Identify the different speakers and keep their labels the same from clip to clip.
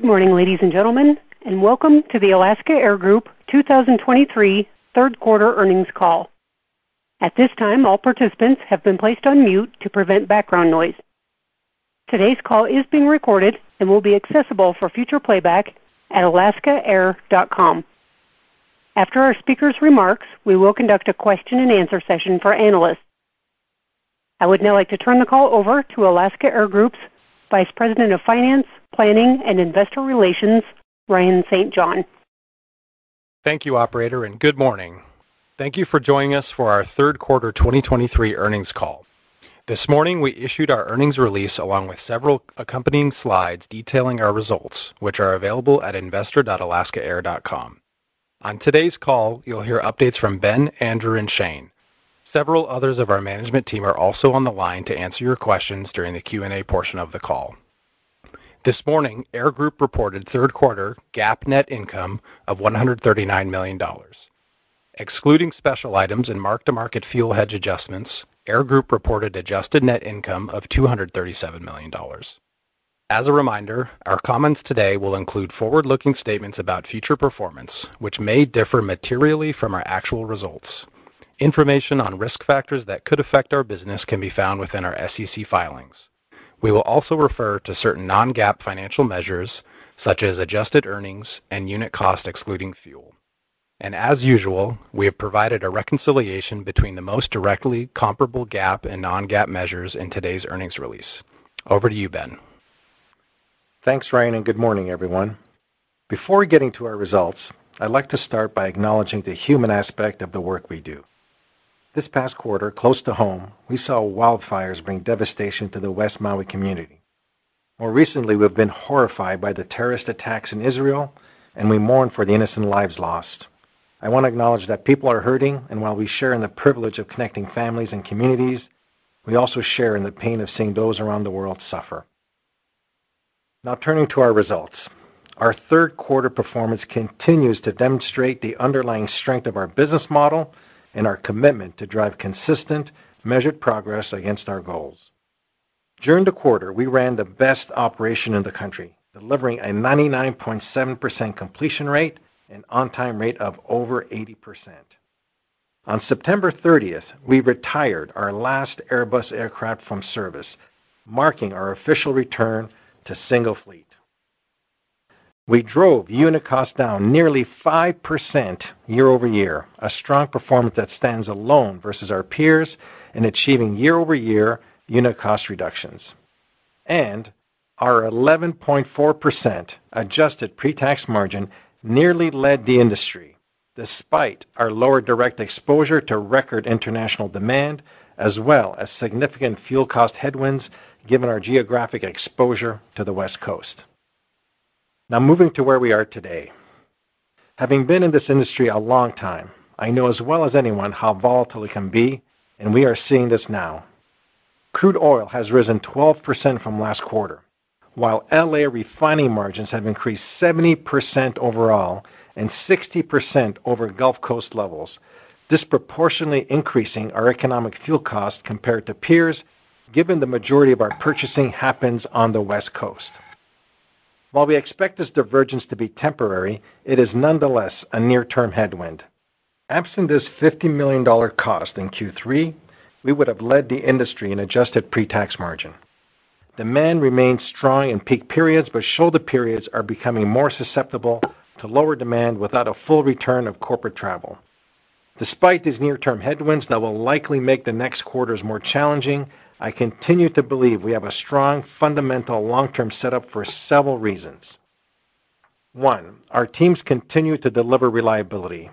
Speaker 1: Good morning, ladies and gentlemen, and welcome to the Alaska Air Group 2023 third quarter earnings call. At this time, all participants have been placed on mute to prevent background noise. Today's call is being recorded and will be accessible for future playback at alaskaair.com. After our speakers' remarks, we will conduct a question-and-answer session for analysts. I would now like to turn the call over to Alaska Air Group's Vice President of Finance, Planning, and Investor Relations, Ryan St. John.
Speaker 2: Thank you, operator, and good morning. Thank you for joining us for our third quarter 2023 earnings call. This morning, we issued our earnings release along with several accompanying slides detailing our results, which are available at investor.alaskaair.com. On today's call, you'll hear updates from Ben, Andrew, and Shane. Several others of our management team are also on the line to answer your questions during the Q&A portion of the call. This morning, Air Group reported third quarter GAAP net income of $139 million. Excluding special items and mark-to-market fuel hedge adjustments, Air Group reported adjusted net income of $237 million. As a reminder, our comments today will include forward-looking statements about future performance, which may differ materially from our actual results. Information on risk factors that could affect our business can be found within our SEC filings. We will also refer to certain non-GAAP financial measures such as adjusted earnings and unit cost, excluding fuel. As usual, we have provided a reconciliation between the most directly comparable GAAP and non-GAAP measures in today's earnings release. Over to you, Ben.
Speaker 3: Thanks, Ryan, and good morning, everyone. Before getting to our results, I'd like to start by acknowledging the human aspect of the work we do. This past quarter, close to home, we saw wildfires bring devastation to the West Maui community. More recently, we've been horrified by the terrorist attacks in Israel, and we mourn for the innocent lives lost. I want to acknowledge that people are hurting, and while we share in the privilege of connecting families and communities, we also share in the pain of seeing those around the world suffer. Now, turning to our results. Our third quarter performance continues to demonstrate the underlying strength of our business model and our commitment to drive consistent, measured progress against our goals. During the quarter, we ran the best operation in the country, delivering a 99.7percent completion rate and on-time rate of over 80percent. On September 30th, we retired our last Airbus aircraft from service, marking our official return to Single Fleet. We drove unit cost down nearly 5 percent year-over-year, a strong performance that stands alone versus our peers in achieving year-over-year unit cost reductions. Our 11.4 percent adjusted pre-tax margin nearly led the industry, despite our lower direct exposure to record international demand, as well as significant fuel cost headwinds, given our geographic exposure to the West Coast. Now, moving to where we are today. Having been in this industry a long time, I know as well as anyone how volatile it can be, and we are seeing this now. Crude oil has risen 12 percent from last quarter, while L.A. refining margins have increased 70 percent overall and 60 percent over Gulf Coast levels, disproportionately increasing our economic fuel costs compared to peers, given the majority of our purchasing happens on the West Coast. While we expect this divergence to be temporary, it is nonetheless a near-term headwind. Absent this $50 million cost in Q3, we would have led the industry in adjusted pre-tax margin. Demand remains strong in peak periods, but shoulder periods are becoming more susceptible to lower demand without a full return of corporate travel. Despite these near-term headwinds that will likely make the next quarters more challenging, I continue to believe we have a strong, fundamental long-term setup for several reasons. One, our teams continue to deliver reliability.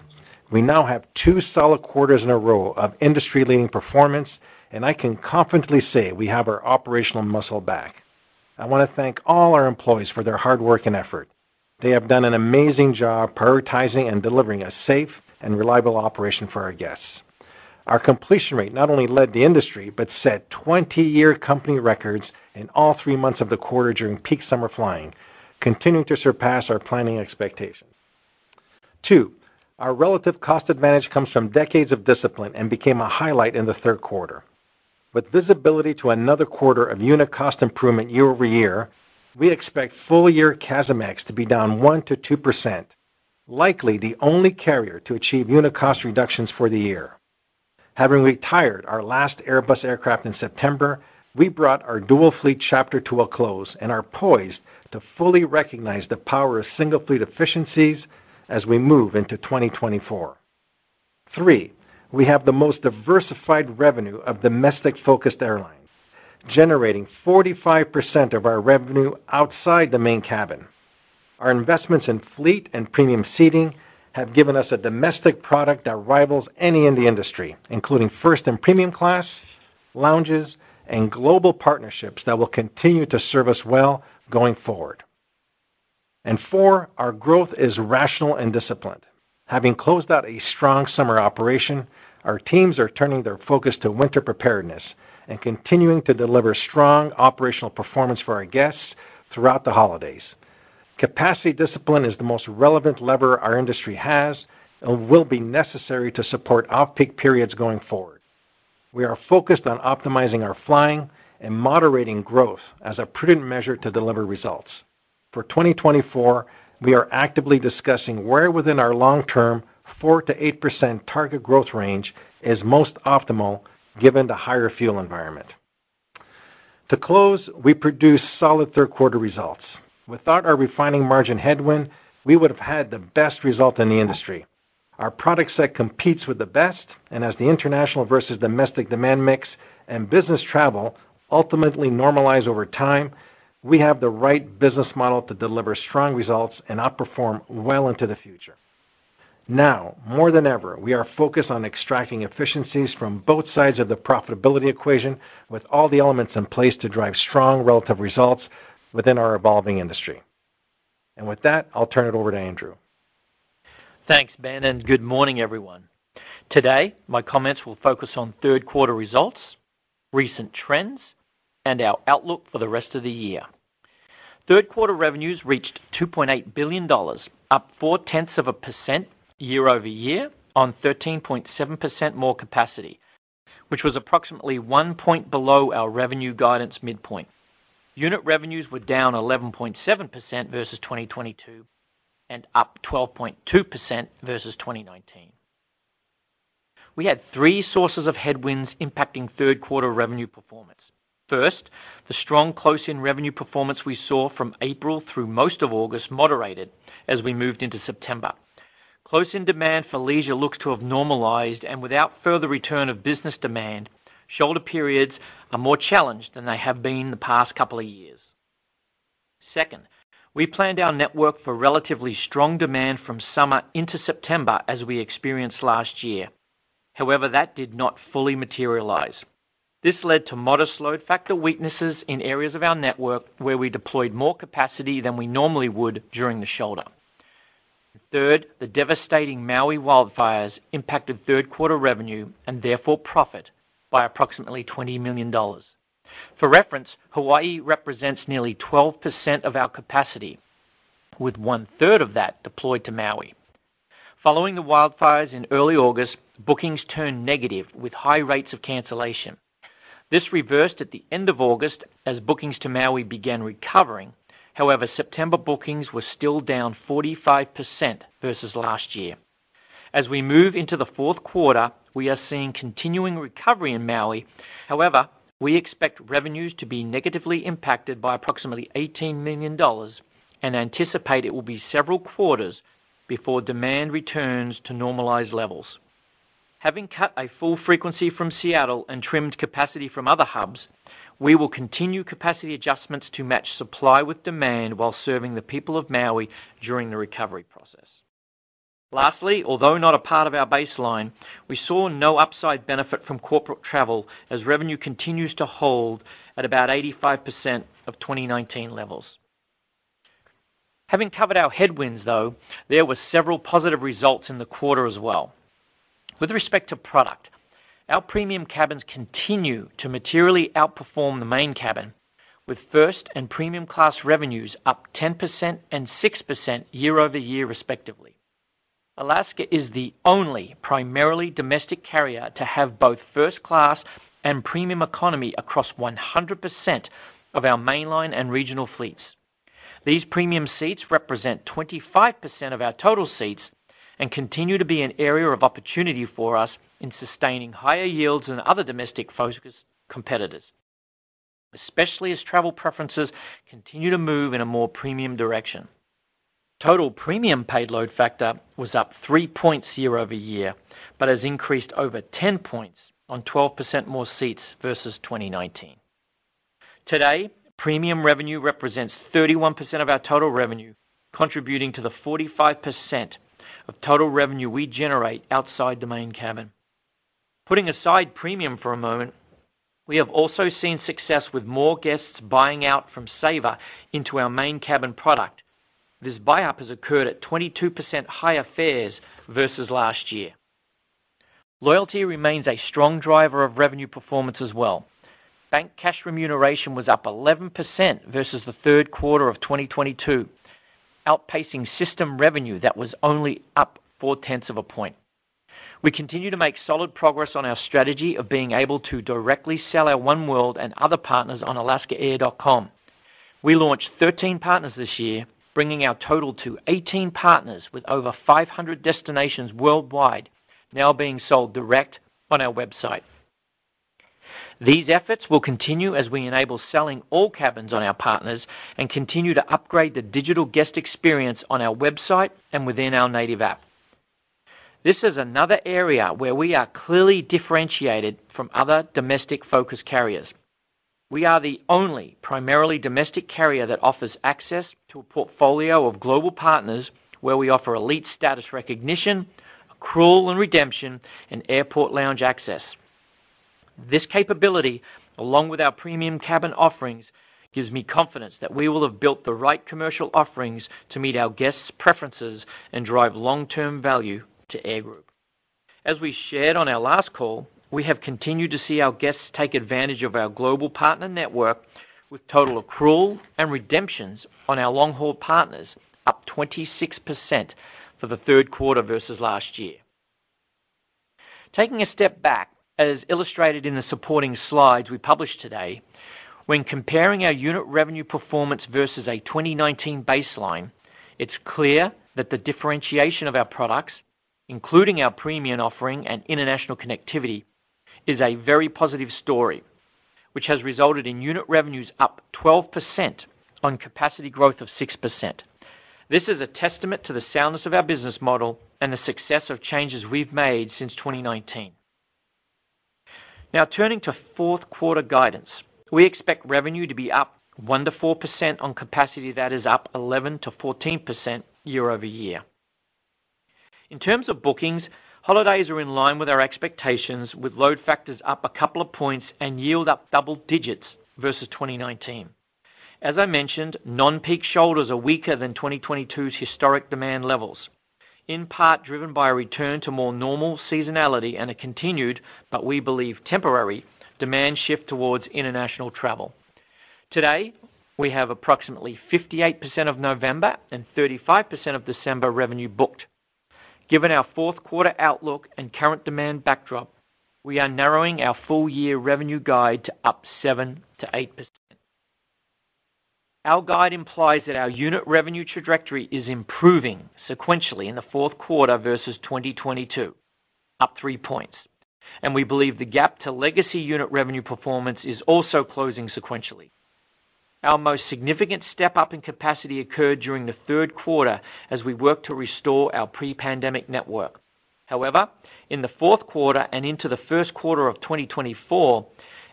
Speaker 3: We now have two solid quarters in a row of industry-leading performance, and I can confidently say we have our operational muscle back. I want to thank all our employees for their hard work and effort. They have done an amazing job prioritizing and delivering a safe and reliable operation for our guests. Our completion rate not only led the industry but set 20-year company records in all three months of the quarter during peak summer flying, continuing to surpass our planning expectations. Two, our relative cost advantage comes from decades of discipline and became a highlight in the third quarter. With visibility to another quarter of unit cost improvement year-over-year, we expect full-year CASM ex to be down 1 percent-2 percent, likely the only carrier to achieve unit cost reductions for the year. Having retired our last Airbus aircraft in September, we brought our dual fleet chapter to a close and are poised to fully recognize the power of Single Fleet efficiencies as we move into 2024. 3, we have the most diversified revenue of domestic-focused airlines, generating 45 percent of our revenue outside the Main Cabin. Our investments in fleet and premium seating have given us a domestic product that rivals any in the industry, including First and Premium Class, lounges, and global partnerships that will continue to serve us well going forward. And 4, our growth is rational and disciplined. Having closed out a strong summer operation, our teams are turning their focus to winter preparedness and continuing to deliver strong operational performance for our guests throughout the holidays. Capacity discipline is the most relevant lever our industry has and will be necessary to support off-peak periods going forward. We are focused on optimizing our flying and moderating growth as a prudent measure to deliver results. For 2024, we are actively discussing where within our long-term 4 percent-8 percent target growth range is most optimal, given the higher fuel environment. To close, we produced solid third quarter results. Without our refining margin headwind, we would have had the best result in the industry. Our product set competes with the best, and as the international versus domestic demand mix and business travel ultimately normalize over time, we have the right business model to deliver strong results and outperform well into the future. Now, more than ever, we are focused on extracting efficiencies from both sides of the profitability equation, with all the elements in place to drive strong relative results within our evolving industry. And with that, I'll turn it over to Andrew.
Speaker 4: Thanks, Ben, and good morning, everyone. Today, my comments will focus on third quarter results, recent trends, and our outlook for the rest of the year. Third quarter revenues reached $2.8 billion, up 0.4 percent year over year on 13.7 percent more capacity, which was approximately 1 percent below our revenue guidance midpoint. Unit revenues were down 11.7 percent versus 2022 and up 12.2 percent versus 2019. We had three sources of headwinds impacting third quarter revenue performance. First, the strong close-in revenue performance we saw from April through most of August moderated as we moved into September. Close-in demand for leisure looks to have normalized, and without further return of business demand, shoulder periods are more challenged than they have been in the past couple of years. Second, we planned our network for relatively strong demand from summer into September as we experienced last year. However, that did not fully materialize. This led to modest load factor weaknesses in areas of our network where we deployed more capacity than we normally would during the shoulder. Third, the devastating Maui wildfires impacted third quarter revenue, and therefore profit, by approximately $20 million. For reference, Hawaii represents nearly 12 percent of our capacity, with one-third of that deployed to Maui. Following the wildfires in early August, bookings turned negative with high rates of cancellation. This reversed at the end of August as bookings to Maui began recovering. However, September bookings were still down 45 percent versus last year. As we move into the fourth quarter, we are seeing continuing recovery in Maui. However, we expect revenues to be negatively impacted by approximately $18 million and anticipate it will be several quarters before demand returns to normalized levels. Having cut a full frequency from Seattle and trimmed capacity from other hubs, we will continue capacity adjustments to match supply with demand while serving the people of Maui during the recovery process. Lastly, although not a part of our baseline, we saw no upside benefit from corporate travel as revenue continues to hold at about 85 percent of 2019 levels. Having covered our headwinds, though, there were several positive results in the quarter as well. With respect to product, our premium cabins continue to materially outperform the Main Cabin, with First and Premium Class revenues up 10 percent and 6 percent year-over-year, respectively. Alaska is the only primarily domestic carrier to have both First Class and premium economy across 100 percent of our mainline and regional fleets. These premium seats represent 25 percent of our total seats and continue to be an area of opportunity for us in sustaining higher yields than other domestic-focused competitors, especially as travel preferences continue to move in a more premium direction. Total premium paid load factor was up 3 points year-over-year, but has increased over 10 points on 12 percent more seats versus 2019. Today, premium revenue represents 31 percent of our total revenue, contributing to the 45 percent of total revenue we generate outside the Main Cabin. Putting aside premium for a moment, we have also seen success with more guests buying out from Saver into our Main Cabin product. This buy up has occurred at 22 percent higher fares versus last year. Loyalty remains a strong driver of revenue performance as well. Bank cash remuneration was up 11 percent versus the third quarter of 2022, outpacing system revenue that was only up 0.4 of a point. We continue to make solid progress on our strategy of being able to directly sell our oneworld and other partners on alaskaair.com. We launched 13 partners this year, bringing our total to 18 partners with over 500 destinations worldwide now being sold direct on our website. These efforts will continue as we enable selling all cabins on our partners and continue to upgrade the digital guest experience on our website and within our native app. This is another area where we are clearly differentiated from other domestic-focused carriers. We are the only primarily domestic carrier that offers access to a portfolio of global partners, where we offer elite status recognition, accrual and redemption, and airport lounge access. This capability, along with our premium cabin offerings, gives me confidence that we will have built the right commercial offerings to meet our guests' preferences and drive long-term value to Air Group. As we shared on our last call, we have continued to see our guests take advantage of our global partner network, with total accrual and redemptions on our long-haul partners up 26 percent for the third quarter versus last year.... Taking a step back, as illustrated in the supporting slides we published today, when comparing our unit revenue performance versus a 2019 baseline, it's clear that the differentiation of our products, including our premium offering and international connectivity, is a very positive story, which has resulted in unit revenues up 12 percent on capacity growth of 6 percent. This is a testament to the soundness of our business model and the success of changes we've made since 2019. Now, turning to fourth quarter guidance. We expect revenue to be up 1 percent-4 percent on capacity that is up 11 percent-14 percent year-over-year. In terms of bookings, holidays are in line with our expectations, with load factors up a couple of points and yield up double digits versus 2019. As I mentioned, non-peak shoulders are weaker than 2022's historic demand levels, in part driven by a return to more normal seasonality and a continued, but we believe temporary, demand shift towards international travel. Today, we have approximately 58 percent of November and 35 percent of December revenue booked. Given our fourth quarter outlook and current demand backdrop, we are narrowing our full year revenue guide to up 7 percent-8percent. Our guide implies that our unit revenue trajectory is improving sequentially in the fourth quarter versus 2022, up 3 points, and we believe the gap to legacy unit revenue performance is also closing sequentially. Our most significant step-up in capacity occurred during the third quarter as we worked to restore our pre-pandemic network. However, in the fourth quarter and into the first quarter of 2024,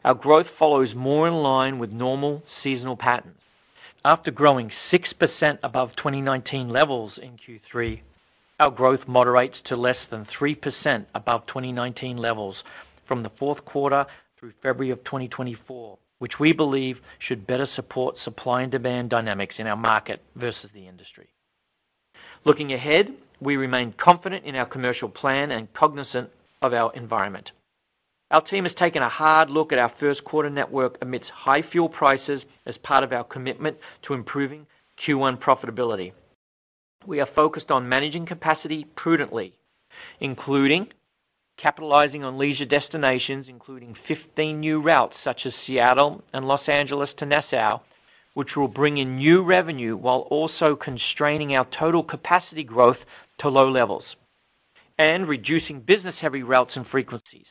Speaker 4: our growth follows more in line with normal seasonal patterns. After growing 6 percent above 2019 levels in Q3, our growth moderates to less than 3 percent above 2019 levels from the fourth quarter through February 2024, which we believe should better support supply and demand dynamics in our market versus the industry. Looking ahead, we remain confident in our commercial plan and cognizant of our environment. Our team has taken a hard look at our first quarter network amidst high fuel prices as part of our commitment to improving Q1 profitability. We are focused on managing capacity prudently, including capitalizing on leisure destinations, including 15 new routes such as Seattle and Los Angeles to Nassau, which will bring in new revenue while also constraining our total capacity growth to low levels and reducing business-heavy routes and frequencies.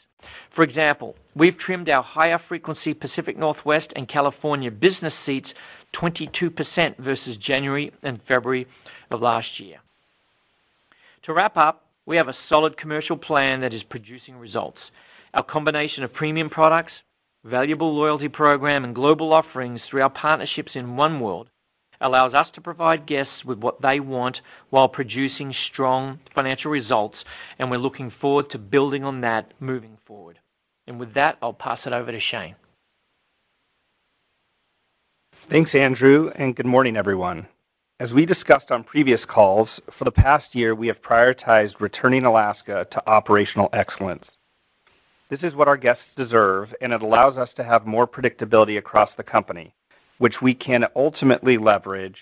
Speaker 4: For example, we've trimmed our higher frequency Pacific Northwest and California business seats 22 percent versus January and February of last year. To wrap up, we have a solid commercial plan that is producing results. Our combination of premium products, valuable loyalty program, and global offerings through our partnerships in oneworld allows us to provide guests with what they want while producing strong financial results, and we're looking forward to building on that moving forward. With that, I'll pass it over to Shane.
Speaker 5: Thanks, Andrew, and good morning, everyone. As we discussed on previous calls, for the past year, we have prioritized returning Alaska to operational excellence. This is what our guests deserve, and it allows us to have more predictability across the company, which we can ultimately leverage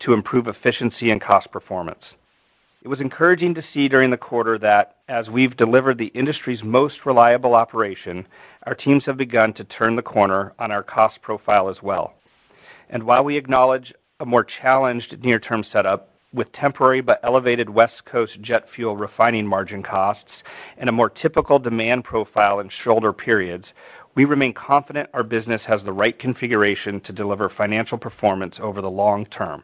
Speaker 5: to improve efficiency and cost performance. It was encouraging to see during the quarter that as we've delivered the industry's most reliable operation, our teams have begun to turn the corner on our cost profile as well. While we acknowledge a more challenged near-term setup with temporary but elevated West Coast jet fuel refining margin costs and a more typical demand profile in shoulder periods, we remain confident our business has the right configuration to deliver financial performance over the long term.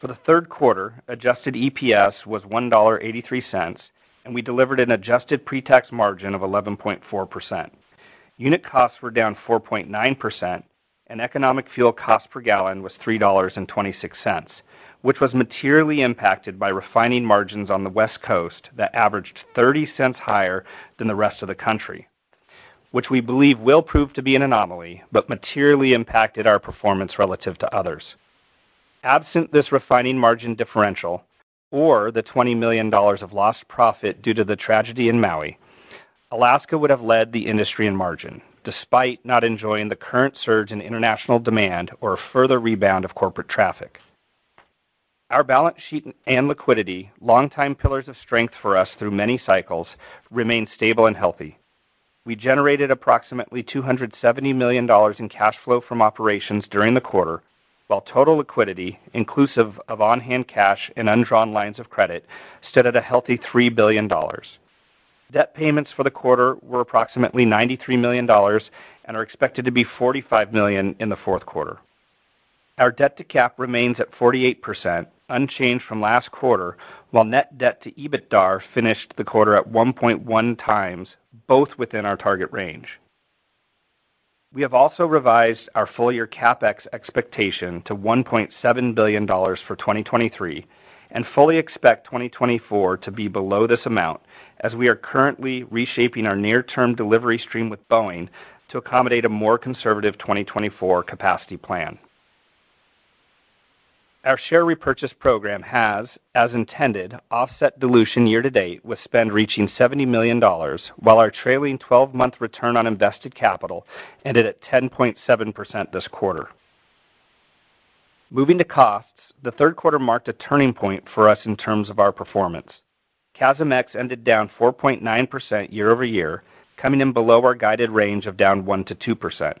Speaker 5: For the third quarter, adjusted EPS was $1.83, and we delivered an adjusted pre-tax margin of 11.4 percent. Unit costs were down 4.9 percent, and economic fuel cost per gallon was $3.26, which was materially impacted by refining margins on the West Coast that averaged $0.30 higher than the rest of the country, which we believe will prove to be an anomaly, but materially impacted our performance relative to others. Absent this refining margin differential or the $20 million of lost profit due to the tragedy in Maui, Alaska would have led the industry in margin, despite not enjoying the current surge in international demand or a further rebound of corporate traffic. Our balance sheet and liquidity, long-time pillars of strength for us through many cycles, remain stable and healthy. We generated approximately $270 million in cash flow from operations during the quarter, while total liquidity, inclusive of on-hand cash and undrawn lines of credit, stood at a healthy $3 billion. Debt payments for the quarter were approximately $93 million and are expected to be $45 million in the fourth quarter. Our debt to cap remains at 48 percent, unchanged from last quarter, while net debt to EBITDA finished the quarter at 1.1 times, both within our target range. We have also revised our full-year CapEx expectation to $1.7 billion for 2023 and fully expect 2024 to be below this amount, as we are currently reshaping our near-term delivery stream with Boeing to accommodate a more conservative 2024 capacity plan. Our share repurchase program has, as intended, offset dilution year to date, with spend reaching $70 million, while our trailing-twelve-month return on invested capital ended at 10.7 percent this quarter. Moving to costs, the third quarter marked a turning point for us in terms of our performance. CASM-ex ended down 4.9 percent year-over-year, coming in below our guided range of down 1 percent-2 percent.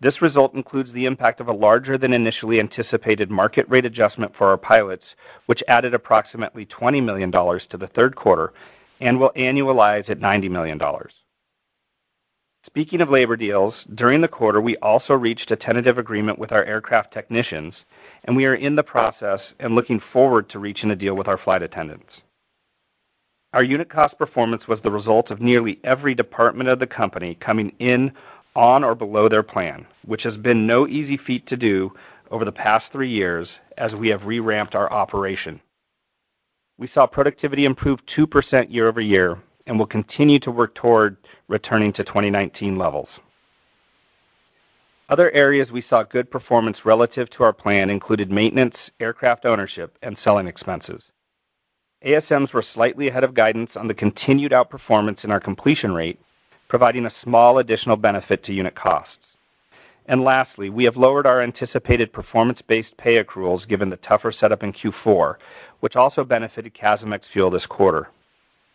Speaker 5: This result includes the impact of a larger than initially anticipated market rate adjustment for our pilots, which added approximately $20 million to the third quarter and will annualize at $90 million. Speaking of labor deals, during the quarter, we also reached a tentative agreement with our aircraft technicians, and we are in the process and looking forward to reaching a deal with our flight attendants. Our unit cost performance was the result of nearly every department of the company coming in on or below their plan, which has been no easy feat to do over the past three years as we have re-ramped our operation. We saw productivity improve 2 percent year-over-year and will continue to work toward returning to 2019 levels. Other areas we saw good performance relative to our plan included maintenance, aircraft ownership, and selling expenses. ASMs were slightly ahead of guidance on the continued outperformance in our completion rate, providing a small additional benefit to unit costs. Lastly, we have lowered our anticipated performance-based pay accruals given the tougher setup in Q4, which also benefited CASM-ex fuel this quarter.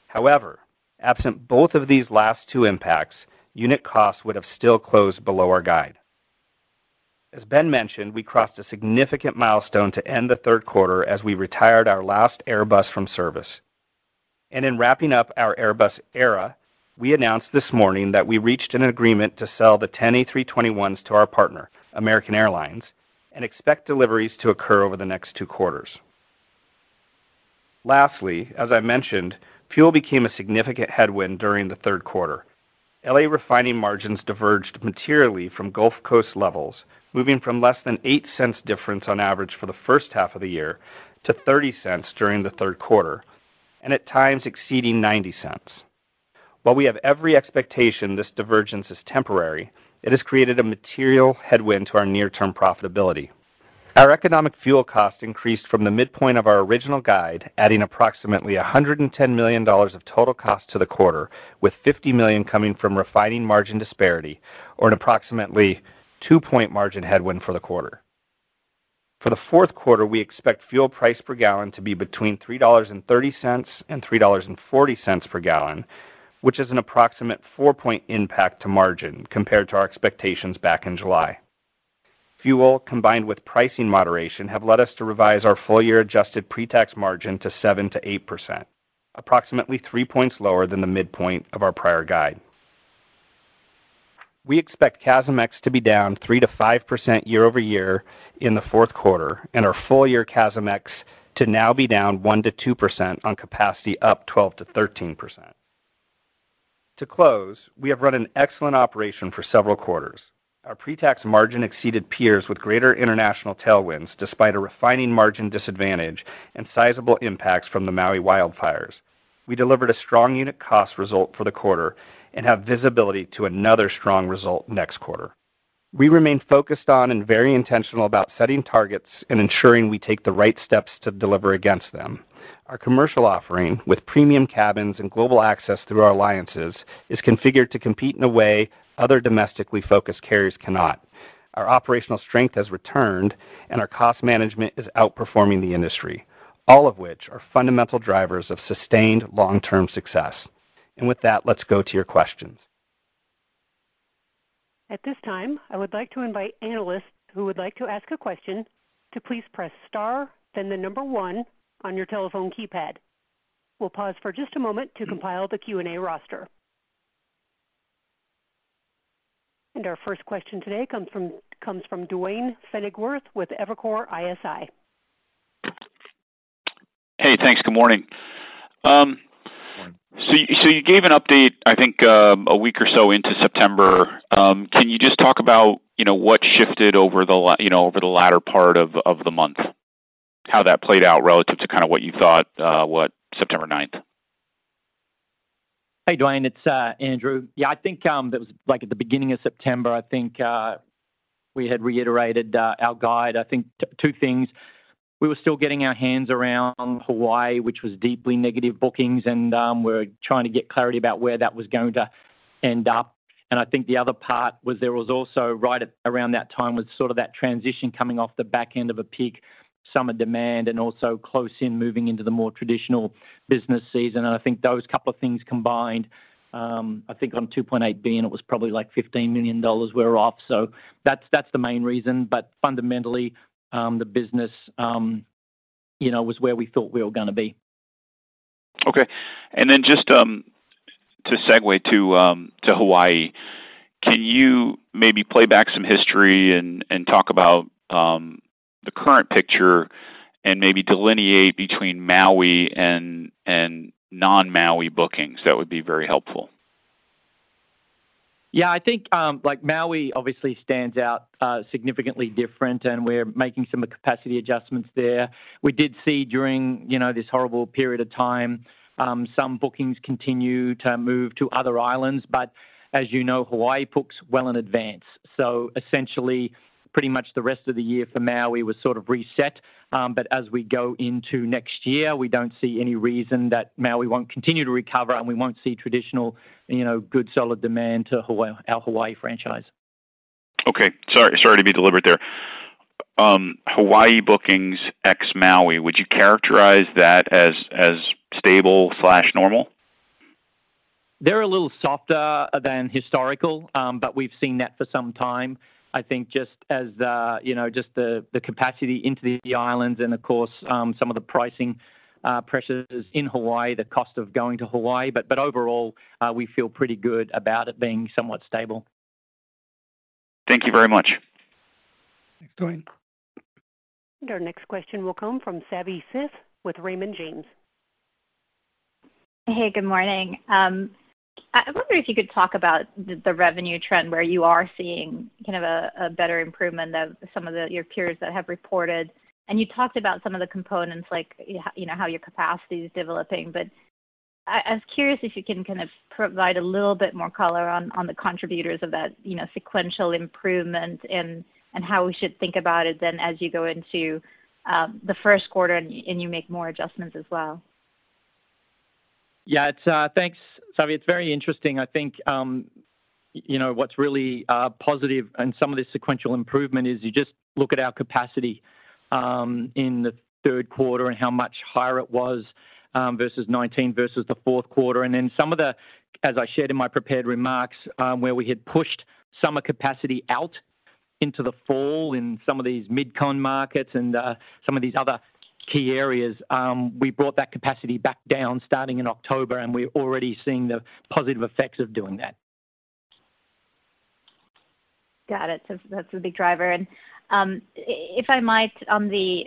Speaker 5: However, absent both of these last two impacts, unit costs would have still closed below our guide. As Ben mentioned, we crossed a significant milestone to end the third quarter as we retired our last Airbus from service. In wrapping up our Airbus era, we announced this morning that we reached an agreement to sell the 10 A321s to our partner, American Airlines, and expect deliveries to occur over the next two quarters. Lastly, as I mentioned, fuel became a significant headwind during the third quarter. L.A. refining margins diverged materially from Gulf Coast levels, moving from less than $0.08 difference on average for the first half of the year to $0.30 during the third quarter, and at times exceeding $0.90. While we have every expectation this divergence is temporary, it has created a material headwind to our near-term profitability. Our economic fuel costs increased from the midpoint of our original guide, adding approximately $110 million of total cost to the quarter, with $50 million coming from refining margin disparity or an approximately 2-point margin headwind for the quarter. For the fourth quarter, we expect fuel price per gallon to be between $3.30 and $3.40 per gallon, which is an approximate 4-point impact to margin compared to our expectations back in July. Fuel, combined with pricing moderation, have led us to revise our full-year adjusted pre-tax margin to 7 percent-8 percent, approximately 3 points lower than the midpoint of our prior guide. We expect CASM-ex to be down three to five percent year-over-year in the fourth quarter and our full-year CASM-ex to now be down one to two percent on capacity up 12 percent -13 percent. To close, we have run an excellent operation for several quarters. Our pre-tax margin exceeded peers with greater international tailwinds, despite a refining margin disadvantage and sizable impacts from the Maui wildfires. We delivered a strong unit cost result for the quarter and have visibility to another strong result next quarter. We remain focused on and very intentional about setting targets and ensuring we take the right steps to deliver against them. Our commercial offering, with premium cabins and global access through our alliances, is configured to compete in a way other domestically focused carriers cannot. Our operational strength has returned, and our cost management is outperforming the industry, all of which are fundamental drivers of sustained long-term success. With that, let's go to your questions.
Speaker 1: At this time, I would like to invite analysts who would like to ask a question to please press star, then the number one on your telephone keypad. We'll pause for just a moment to compile the Q&A roster. Our first question today comes from Duane Pfennigwerth with Evercore ISI.
Speaker 6: Hey, thanks. Good morning. So you gave an update, I think, a week or so into September. Can you just talk about, you know, what shifted over the—you know, over the latter part of the month? How that played out relative to kind of what you thought, what September ninth.
Speaker 4: Hey, Duane, it's Andrew. Yeah, I think that was like at the beginning of September. I think we had reiterated our guide. I think two things: We were still getting our hands around Hawaii, which was deeply negative bookings, and we're trying to get clarity about where that was going to end up. And I think the other part was there was also, right at around that time, was sort of that transition coming off the back end of a peak summer demand and also close in moving into the more traditional business season. And I think those couple of things combined, I think on $2.8 billion, and it was probably like $15 million we're off. So that's the main reason. But fundamentally, the business, you know, was where we thought we were gonna be.
Speaker 6: Okay. And then just to segue to Hawaii, can you maybe play back some history and talk about the current picture and maybe delineate between Maui and non-Maui bookings? That would be very helpful.
Speaker 4: Yeah, I think, like, Maui obviously stands out significantly different, and we're making some capacity adjustments there. We did see during, you know, this horrible period of time, some bookings continue to move to other islands, but as you know, Hawaii books well in advance. So essentially, pretty much the rest of the year for Maui was sort of reset. But as we go into next year, we don't see any reason that Maui won't continue to recover and we won't see traditional, you know, good, solid demand to Hawaii, our Hawaii franchise....
Speaker 6: Okay, sorry, sorry to be deliberate there. Hawaii bookings ex Maui, would you characterize that as stable slash normal?
Speaker 4: They're a little softer than historical, but we've seen that for some time. I think just as the, you know, just the, the capacity into the islands and of course, some of the pricing pressures in Hawaii, the cost of going to Hawaii. But, but overall, we feel pretty good about it being somewhat stable.
Speaker 6: Thank you very much.
Speaker 4: Thanks, Dwayne.
Speaker 1: Our next question will come from Savi Syth with Raymond James.
Speaker 7: Hey, good morning. I wonder if you could talk about the revenue trend, where you are seeing kind of a better improvement of some of your peers that have reported. And you talked about some of the components like, you know, how your capacity is developing. But I was curious if you can kind of provide a little bit more color on the contributors of that, you know, sequential improvement and how we should think about it then as you go into the first quarter and you make more adjustments as well.
Speaker 4: Yeah, it's thanks, Savi. It's very interesting. I think, you know, what's really positive and some of this sequential improvement is you just look at our capacity in the third quarter and how much higher it was versus 2019 versus the fourth quarter. And then some of the as I shared in my prepared remarks, where we had pushed summer capacity out into the fall in some of these mid-con markets and some of these other key areas, we brought that capacity back down starting in October, and we're already seeing the positive effects of doing that.
Speaker 7: Got it. So that's a big driver. If I might, on the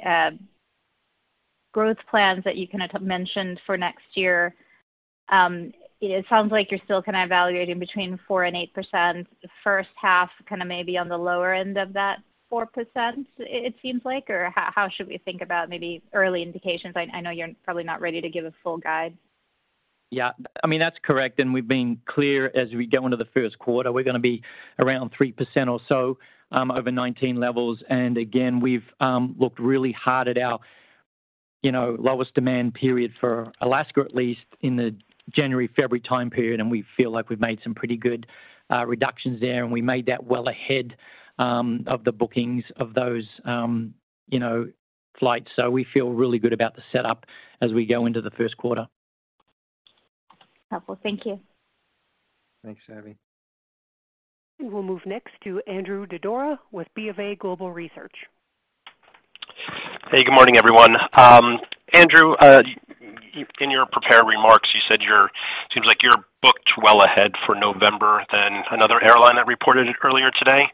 Speaker 7: growth plans that you kind of mentioned for next year, it sounds like you're still kind of evaluating between 4 percent and 8 percent, the first half, kind of maybe on the lower end of that 4 percent, it seems like? Or how should we think about maybe early indications. I know you're probably not ready to give a full guide.
Speaker 4: Yeah, I mean, that's correct, and we've been clear as we go into the first quarter, we're gonna be around 3 percent or so over 2019 levels. And again, we've looked really hard at our, you know, lowest demand period for Alaska, at least in the January, February time period. And we feel like we've made some pretty good reductions there, and we made that well ahead of the bookings of those, you know, flights. So we feel really good about the setup as we go into the first quarter.
Speaker 7: Helpful. Thank you.
Speaker 4: Thanks, Savi.
Speaker 1: We'll move next to Andrew Didora with BofA Global Research.
Speaker 8: Hey, good morning, everyone. Andrew, in your prepared remarks, you said seems like you're booked well ahead for November than another airline that reported earlier today.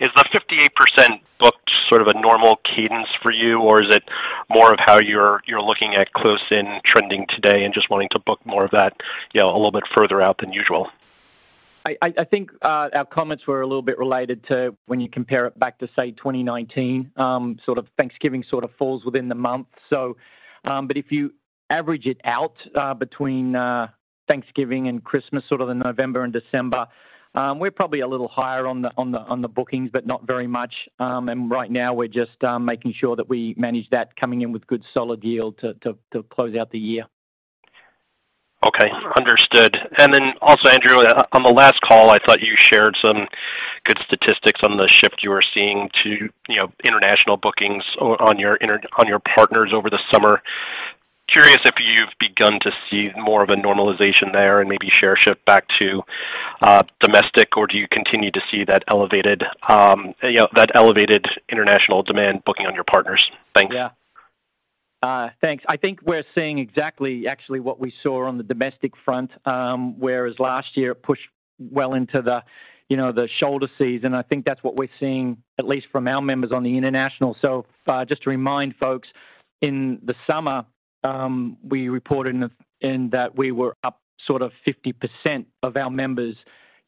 Speaker 8: Is the 58 percent booked sort of a normal cadence for you, or is it more of how you're looking at close in trending today and just wanting to book more of that, you know, a little bit further out than usual?
Speaker 4: I think our comments were a little bit related to when you compare it back to, say, 2019, sort of Thanksgiving sort of falls within the month. So, but if you average it out, between Thanksgiving and Christmas, sort of the November and December, we're probably a little higher on the bookings, but not very much. And right now we're just making sure that we manage that coming in with good solid yield to close out the year.
Speaker 8: Okay, understood. And then also, Andrew, on the last call, I thought you shared some good statistics on the shift you are seeing to, you know, international bookings on your partners over the summer. Curious if you've begun to see more of a normalization there and maybe share shift back to domestic, or do you continue to see that elevated, you know, that elevated international demand booking on your partners? Thanks.
Speaker 4: Yeah. Thanks. I think we're seeing exactly actually what we saw on the domestic front, whereas last year it pushed well into the, you know, the shoulder season. I think that's what we're seeing, at least from our members on the international. So, just to remind folks, in the summer, we reported in that we were up sort of 50 percent of our members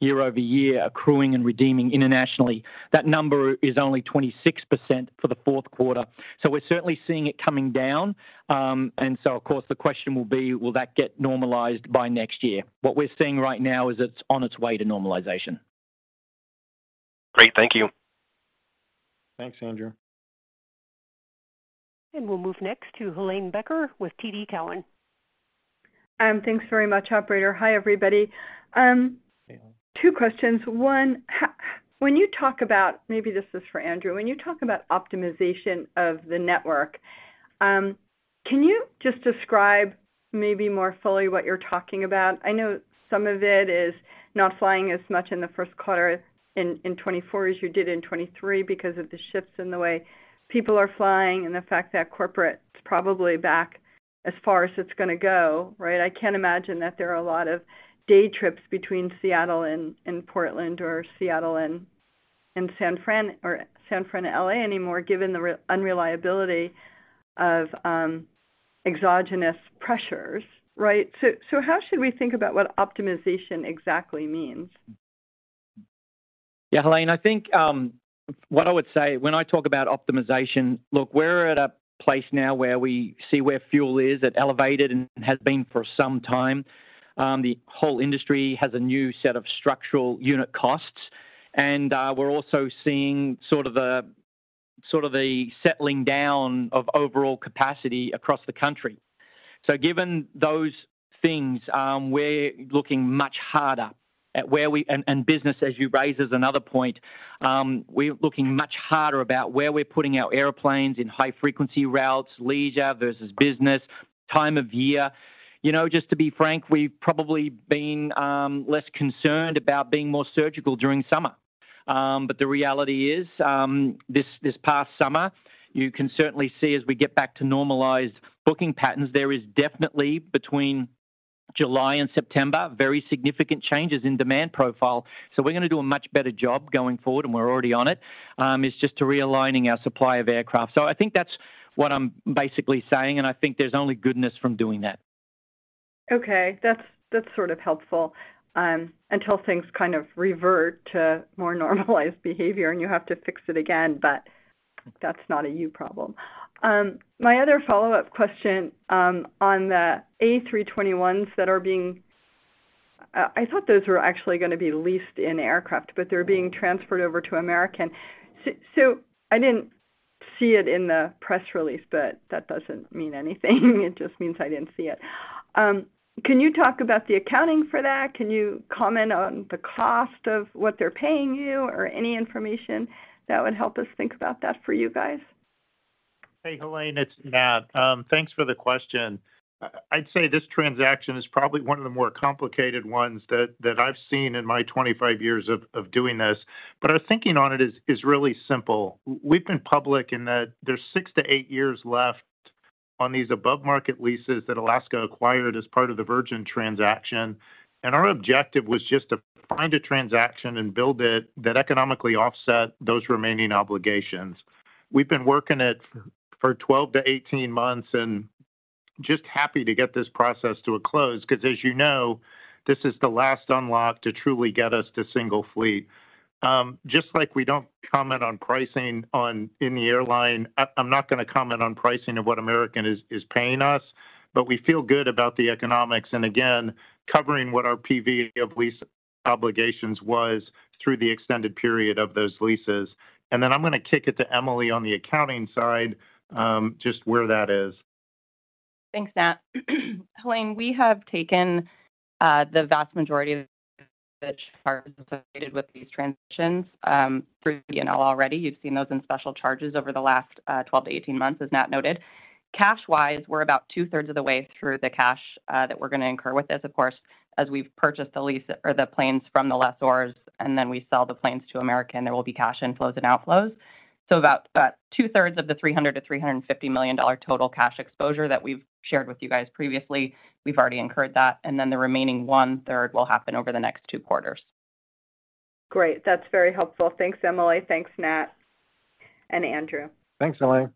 Speaker 4: year over year, accruing and redeeming internationally. That number is only 26 percent for the fourth quarter. So we're certainly seeing it coming down. And so of course, the question will be, will that get normalized by next year? What we're seeing right now is it's on its way to normalization.
Speaker 8: Great. Thank you.
Speaker 4: Thanks, Andrew.
Speaker 1: We'll move next to Helane Becker with TD Cowen.
Speaker 9: Thanks very much, operator. Hi, everybody. Two questions. One, when you talk about... maybe this is for Andrew. When you talk about optimization of the network, can you just describe maybe more fully what you're talking about? I know some of it is not flying as much in the first quarter in 2024 as you did in 2023 because of the shifts in the way people are flying and the fact that corporate is probably back as far as it's gonna go, right? I can't imagine that there are a lot of day trips between Seattle and Portland or Seattle and San Fran or San Fran, LA anymore, given the unreliability of exogenous pressures, right? So how should we think about what optimization exactly means?
Speaker 4: Yeah, Helane, I think what I would say when I talk about optimization, look, we're at a place now where we see where fuel is. It elevated and has been for some time. The whole industry has a new set of structural unit costs, and we're also seeing sort of a-
Speaker 5: ...sort of the settling down of overall capacity across the country. So given those things, we're looking much harder at where we—and business, as you raise, is another point. We're looking much harder about where we're putting our airplanes in high-frequency routes, leisure versus business, time of year. You know, just to be frank, we've probably been less concerned about being more surgical during summer. But the reality is, this past summer, you can certainly see as we get back to normalized booking patterns, there is definitely between July and September very significant changes in demand profile. So we're gonna do a much better job going forward, and we're already on it, is just to realigning our supply of aircraft. So I think that's what I'm basically saying, and I think there's only goodness from doing that.
Speaker 9: Okay, that's, that's sort of helpful, until things kind of revert to more normalized behavior and you have to fix it again, but that's not a you problem. My other follow-up question, on the A321s that are being... I thought those were actually gonna be leased-in aircraft, but they're being transferred over to American. So, so I didn't see it in the press release, but that doesn't mean anything. It just means I didn't see it. Can you talk about the accounting for that? Can you comment on the cost of what they're paying you, or any information that would help us think about that for you guys?
Speaker 10: Hey, Helane, it's Nat. Thanks for the question. I'd say this transaction is probably one of the more complicated ones that I've seen in my 25 years of doing this. But our thinking on it is really simple. We've been public in that there's 6-8 years left on these above-market leases that Alaska acquired as part of the Virgin transaction, and our objective was just to find a transaction and build it that economically offset those remaining obligations. We've been working it for 12-18 months and just happy to get this process to a close, 'cause as you know, this is the last unlock to truly get us to Single Fleet. Just like we don't comment on pricing in the airline, I'm not gonna comment on pricing of what American is paying us, but we feel good about the economics, and again, covering what our PV of lease obligations was through the extended period of those leases. Then I'm gonna kick it to Emily on the accounting side, just where that is.
Speaker 11: Thanks, Nat. Helane, we have taken the vast majority of which are associated with these transitions through P&L already. You've seen those in special charges over the last 12-18 months, as Nat noted. Cash-wise, we're about two-thirds of the way through the cash that we're gonna incur with this. Of course, as we've purchased the lease or the planes from the lessors, and then we sell the planes to American, there will be cash inflows and outflows. So about two-thirds of the $300-$350 million total cash exposure that we've shared with you guys previously, we've already incurred that, and then the remaining one-third will happen over the next 2 quarters.
Speaker 9: Great. That's very helpful. Thanks, Emily. Thanks, Nat and Andrew.
Speaker 4: Thanks, Helane.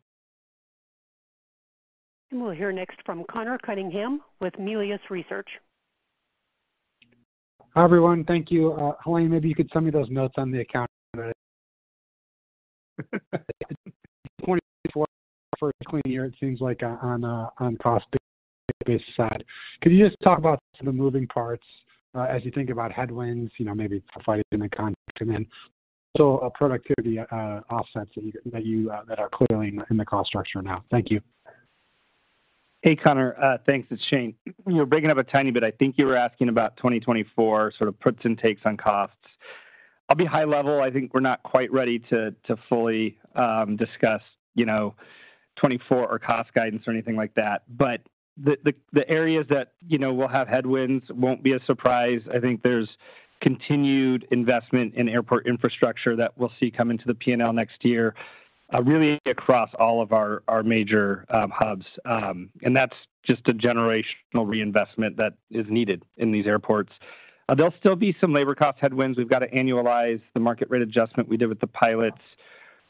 Speaker 1: We'll hear next from Connor Cunningham with Melius Research.
Speaker 12: Hi, everyone. Thank you. Helane, maybe you could send me those notes on the account. 2024, first clean year, it seems like, on the cost-based side. Could you just talk about the moving parts, as you think about headwinds, you know, maybe labor and the contract, and then so a productivity offsets that are clearly in the cost structure now? Thank you.
Speaker 5: Hey, Connor, thanks, it's Shane. We're breaking up a tiny bit. I think you were asking about 2024, sort of puts and takes on costs. I'll be high level. I think we're not quite ready to fully discuss, you know, 2024 or cost guidance or anything like that. But the areas that, you know, will have headwinds won't be a surprise. I think there's continued investment in airport infrastructure that we'll see come into the P&L next year, really across all of our major hubs. And that's just a generational reinvestment that is needed in these airports. There'll still be some labor cost headwinds. We've got to annualize the market rate adjustment we did with the pilots.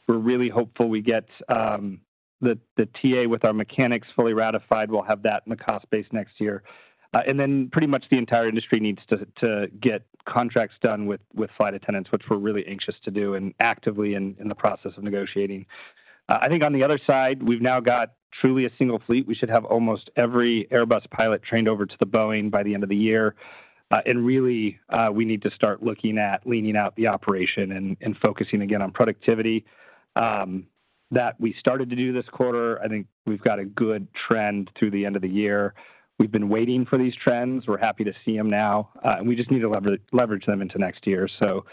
Speaker 5: We're really hopeful we get the TA with our mechanics fully ratified. We'll have that in the cost base next year. And then pretty much the entire industry needs to get contracts done with flight attendants, which we're really anxious to do and actively in the process of negotiating. I think on the other side, we've now got truly a Single Fleet. We should have almost every Airbus pilot trained over to the Boeing by the end of the year. And really, we need to start looking at leaning out the operation and focusing again on productivity. That we started to do this quarter. I think we've got a good trend through the end of the year. We've been waiting for these trends. We're happy to see them now, and we just need to leverage them into next year. So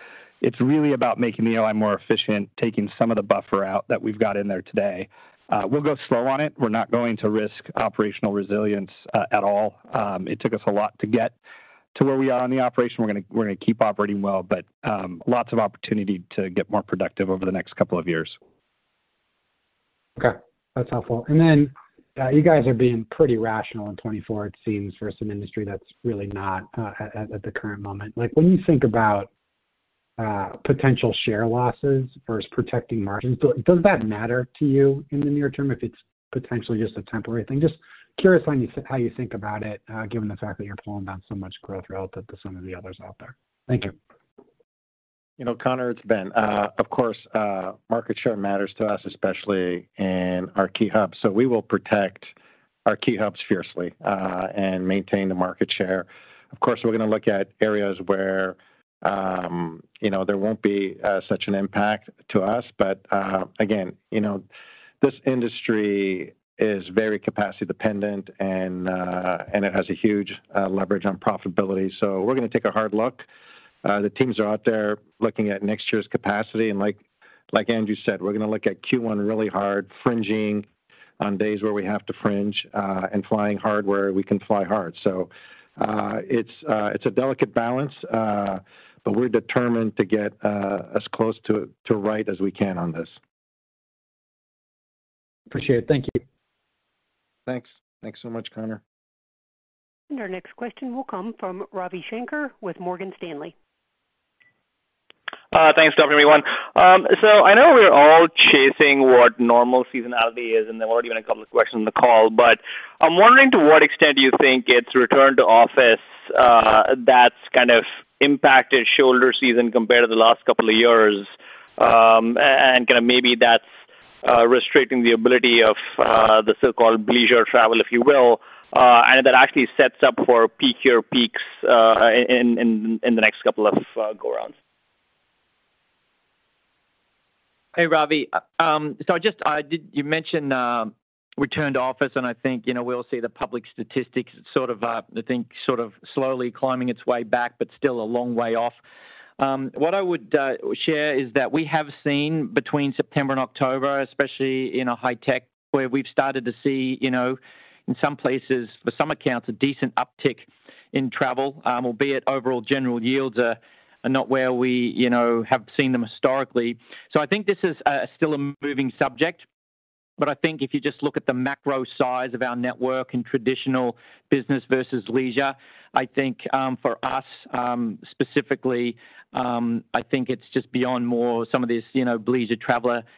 Speaker 5: it's really about making the OI more efficient, taking some of the buffer out that we've got in there today. We'll go slow on it. We're not going to risk operational resilience at all. It took us a lot to get to where we are on the operation. We're gonna, we're gonna keep operating well, but lots of opportunity to get more productive over the next couple of years.
Speaker 12: Okay, that's helpful. And then, you guys are being pretty rational in 2024, it seems, for some industry that's really not, at, the current moment. Like, when you think about, potential share losses versus protecting margins, do, does that matter to you in the near term if it's potentially just a temporary thing? Just curious on you, how you think about it, given the fact that you're pulling down so much growth relative to some of the others out there. Thank you.
Speaker 3: You know, Connor, it's Ben. Of course, market share matters to us, especially in our key hubs. So we will protect our key hubs fiercely, and maintain the market share. Of course, we're going to look at areas where, you know, there won't be such an impact to us. But, again, you know, this industry is very capacity dependent and it has a huge leverage on profitability. So we're going to take a hard look. The teams are out there looking at next year's capacity, and like Andrew said, we're going to look at Q1 really hard, flying on days where we have to fly, and flying hard where we can fly hard. So, it's a delicate balance, but we're determined to get as close to right as we can on this.
Speaker 12: Appreciate it. Thank you.
Speaker 3: Thanks. Thanks so much, Connor.
Speaker 1: Our next question will come from Ravi Shanker with Morgan Stanley.
Speaker 13: Thanks, everyone. So I know we're all chasing what normal seasonality is, and there were even a couple of questions on the call, but I'm wondering, to what extent do you think it's return to office that's kind of impacted shoulder season compared to the last couple of years? And kind of maybe that's restricting the ability of the so-called leisure travel, if you will, and that actually sets up for peakier peaks in the next couple of go rounds.
Speaker 4: Hey, Ravi. So I just... Did you mention return to office? And I think, you know, we all see the public statistics sort of, I think, sort of slowly climbing its way back, but still a long way off. What I would share is that we have seen between September and October, especially in high-tech, where we've started to see, you know, in some places, for some accounts, a decent uptick in travel, albeit overall general yields are not where we, you know, have seen them historically. So I think this is still a moving subject, but I think if you just look at the macro size of our network and traditional business versus leisure, I think for us specifically, I think it's just beyond more some of these, you know, leisure traveler, you know,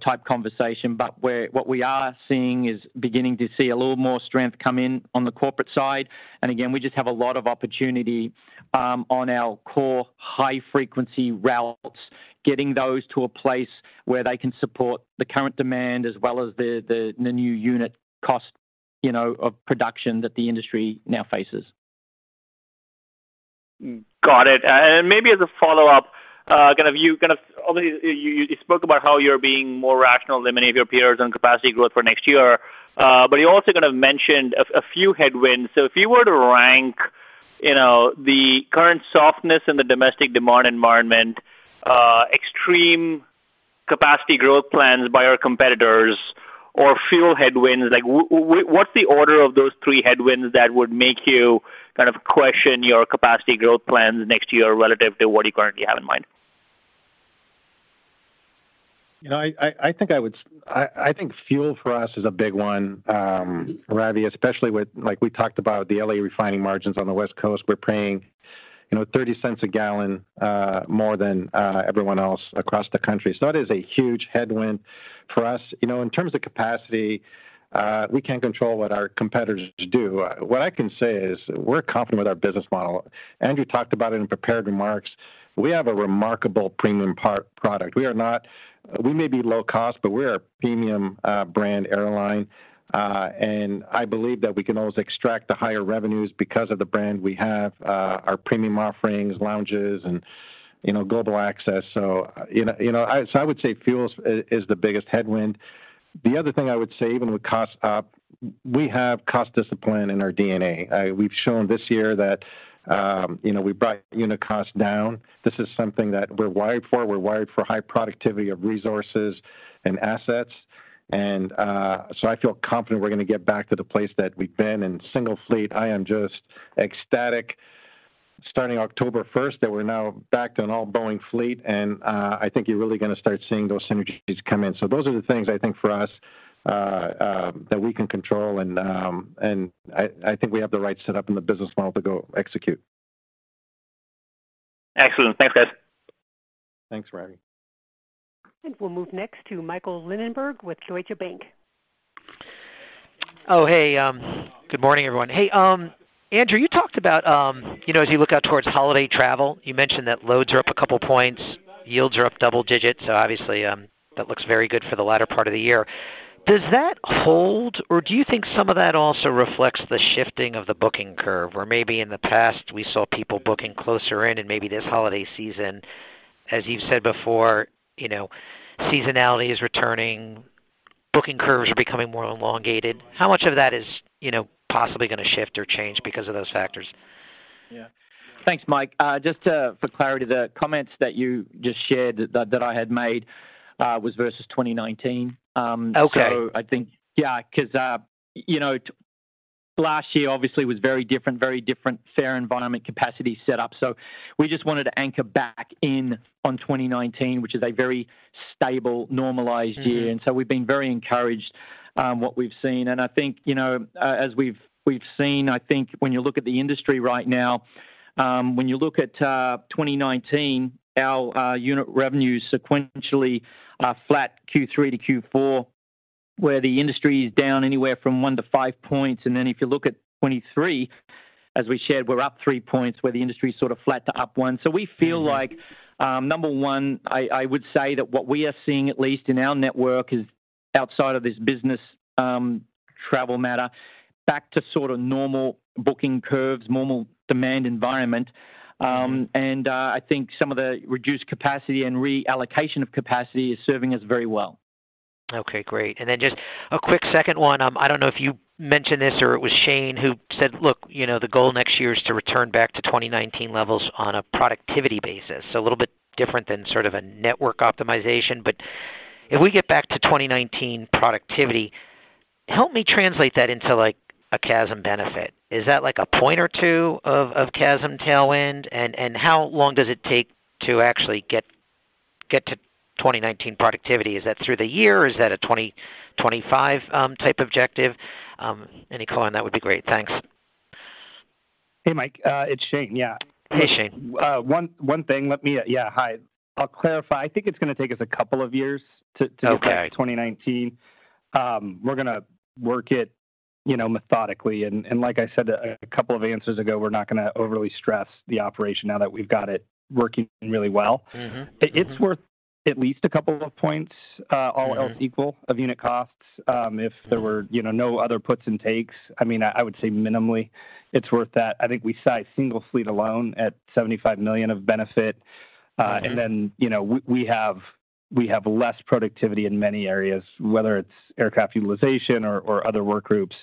Speaker 4: type conversation. But what we are seeing is beginning to see a little more strength come in on the corporate side. And again, we just have a lot of opportunity on our core high frequency routes, getting those to a place where they can support the current demand as well as the new unit cost, you know, of production that the industry now faces.
Speaker 13: Got it. And maybe as a follow-up, kind of, obviously, you spoke about how you're being more rational than many of your peers on capacity growth for next year, but you also kind of mentioned a few headwinds. So if you were to rank, you know, the current softness in the domestic demand environment, extreme capacity growth plans by your competitors, or fuel headwinds, like, what's the order of those three headwinds that would make you kind of question your capacity growth plans next year relative to what you currently have in mind?
Speaker 3: You know, I think fuel for us is a big one, Ravi, especially with, like, we talked about the LA refining margins on the West Coast. We're paying, you know, $0.30 a gallon more than everyone else across the country. So that is a huge headwind for us. You know, in terms of capacity, we can't control what our competitors do. What I can say is we're confident with our business model. Andrew talked about it in prepared remarks. We have a remarkable premium product. We are not—we may be low cost, but we are a premium brand airline, and I believe that we can always extract the higher revenues because of the brand we have, our premium offerings, lounges, and, you know, global access. So, you know, I would say fuel is the biggest headwind. The other thing I would say, even with cost up, we have cost discipline in our DNA. We've shown this year that, you know, we brought unit costs down. This is something that we're wired for. We're wired for high productivity of resources and assets, and so I feel confident we're going to get back to the place that we've been. In Single Fleet, I am just ecstatic, starting October first, that we're now back to an all Boeing fleet, and I think you're really going to start seeing those synergies come in. So those are the things I think for us that we can control, and I think we have the right set up in the business model to go execute.
Speaker 13: Excellent. Thanks, guys.
Speaker 3: Thanks, Ravi.
Speaker 1: We'll move next to Michael Linenberg with Deutsche Bank.
Speaker 14: Oh, hey, good morning, everyone. Hey, Andrew, you talked about, you know, as you look out towards holiday travel, you mentioned that loads are up a couple points, yields are up double digits, so obviously, that looks very good for the latter part of the year. Does that hold, or do you think some of that also reflects the shifting of the booking curve? Where maybe in the past, we saw people booking closer in, and maybe this holiday season, as you've said before, you know, seasonality is returning, booking curves are becoming more elongated. How much of that is, you know, possibly going to shift or change because of those factors?
Speaker 4: Yeah. Thanks, Mike. Just to, for clarity, the comments that you just shared that, that I had made was versus 2019.
Speaker 14: Okay.
Speaker 4: So I think, yeah, because, you know, last year obviously was very different, very different fare environment, capacity set up. So we just wanted to anchor back in on 2019, which is a very stable, normalized year.
Speaker 14: Mm-hmm.
Speaker 4: We've been very encouraged on what we've seen. I think, you know, as we've seen, I think when you look at the industry right now, when you look at 2019, our unit revenues sequentially are flat Q3 to Q4, where the industry is down anywhere from 1-5 points. Then if you look at 2023, as we shared, we're up 3 points where the industry is sort of flat to up 1. So we feel like, number one, I would say that what we are seeing, at least in our network, is outside of this business travel matter, back to sort of normal booking curves, normal demand environment. I think some of the reduced capacity and reallocation of capacity is serving us very well.
Speaker 14: Okay, great. And then just a quick second one. I don't know if you mentioned this or it was Shane who said, "Look, you know, the goal next year is to return back to 2019 levels on a productivity basis." So a little bit different than sort of a network optimization, but if we get back to 2019 productivity, help me translate that into, like, a CASM benefit. Is that like a point or two of CASM tailwind? And how long does it take to actually get to 2019 productivity? Is that through the year, or is that a 2025 type objective? Any color on that would be great. Thanks.
Speaker 5: Hey, Mike. It's Shane. Yeah.
Speaker 14: Hey, Shane.
Speaker 5: One thing, let me. Yeah, hi. I'll clarify. I think it's gonna take us a couple of years to-
Speaker 14: Okay.
Speaker 5: to get back to 2019. We're gonna work it, you know, methodically, and like I said a couple of answers ago, we're not gonna overly stress the operation now that we've got it working really well.
Speaker 14: Mm-hmm. Mm-hmm.
Speaker 5: It's worth at least a couple of points, all-
Speaker 14: Mm-hmm
Speaker 5: all else equal, of unit costs. If there were, you know, no other puts and takes, I mean, I would say minimally it's worth that. I think we size Single Fleet alone at $75 million of benefit.
Speaker 14: Mm-hmm.
Speaker 5: Then, you know, we have less productivity in many areas, whether it's aircraft utilization or other work groups.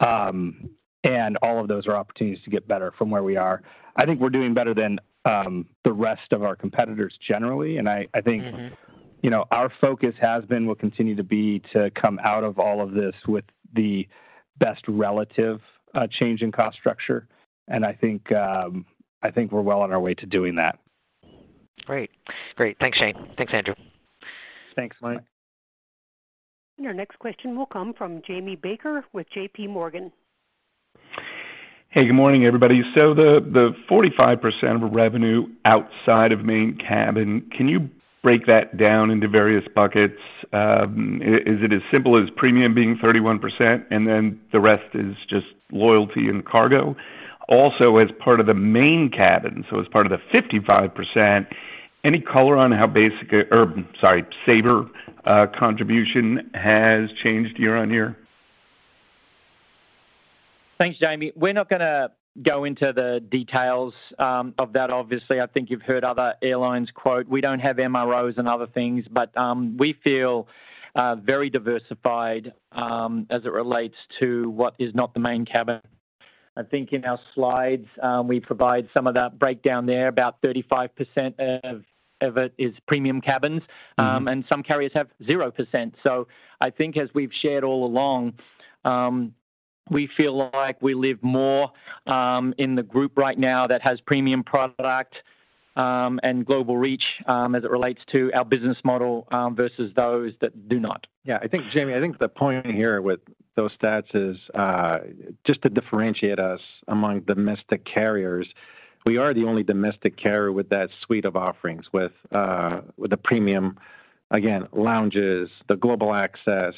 Speaker 5: All of those are opportunities to get better from where we are. I think we're doing better than the rest of our competitors generally, and I think-
Speaker 14: Mm-hmm...
Speaker 5: you know, our focus has been, will continue to be, to come out of all of this with the best relative change in cost structure, and I think we're well on our way to doing that.
Speaker 14: Great. Great. Thanks, Shane. Thanks, Andrew.
Speaker 5: Thanks, Mike.
Speaker 1: Your next question will come from Jamie Baker with JPMorgan.
Speaker 15: Hey, good morning, everybody. So the 45 percent of revenue outside of Main Cabin, can you break that down into various buckets? Is it as simple as premium being 31 percent, and then the rest is just loyalty and cargo? Also, as part of the Main Cabin, so as part of the 55 percent, any color on how basic or, sorry, SABRE, contribution has changed year-over-year?
Speaker 4: Thanks, Jamie. We're not gonna go into the details of that. Obviously, I think you've heard other airlines quote, we don't have MROs and other things, but we feel very diversified as it relates to what is not the Main Cabin. I think in our slides we provide some of that breakdown there. About 35 percent of, of it is premium cabins-
Speaker 15: Mm-hmm...
Speaker 4: and some carriers have 0 percent. So I think as we've shared all along, we feel like we live more in the group right now that has premium product and global reach, as it relates to our business model, versus those that do not.
Speaker 3: Yeah, I think, Jamie, I think the point here with those stats is just to differentiate us among domestic carriers. We are the only domestic carrier with that suite of offerings, with the premium, again, lounges, the global access,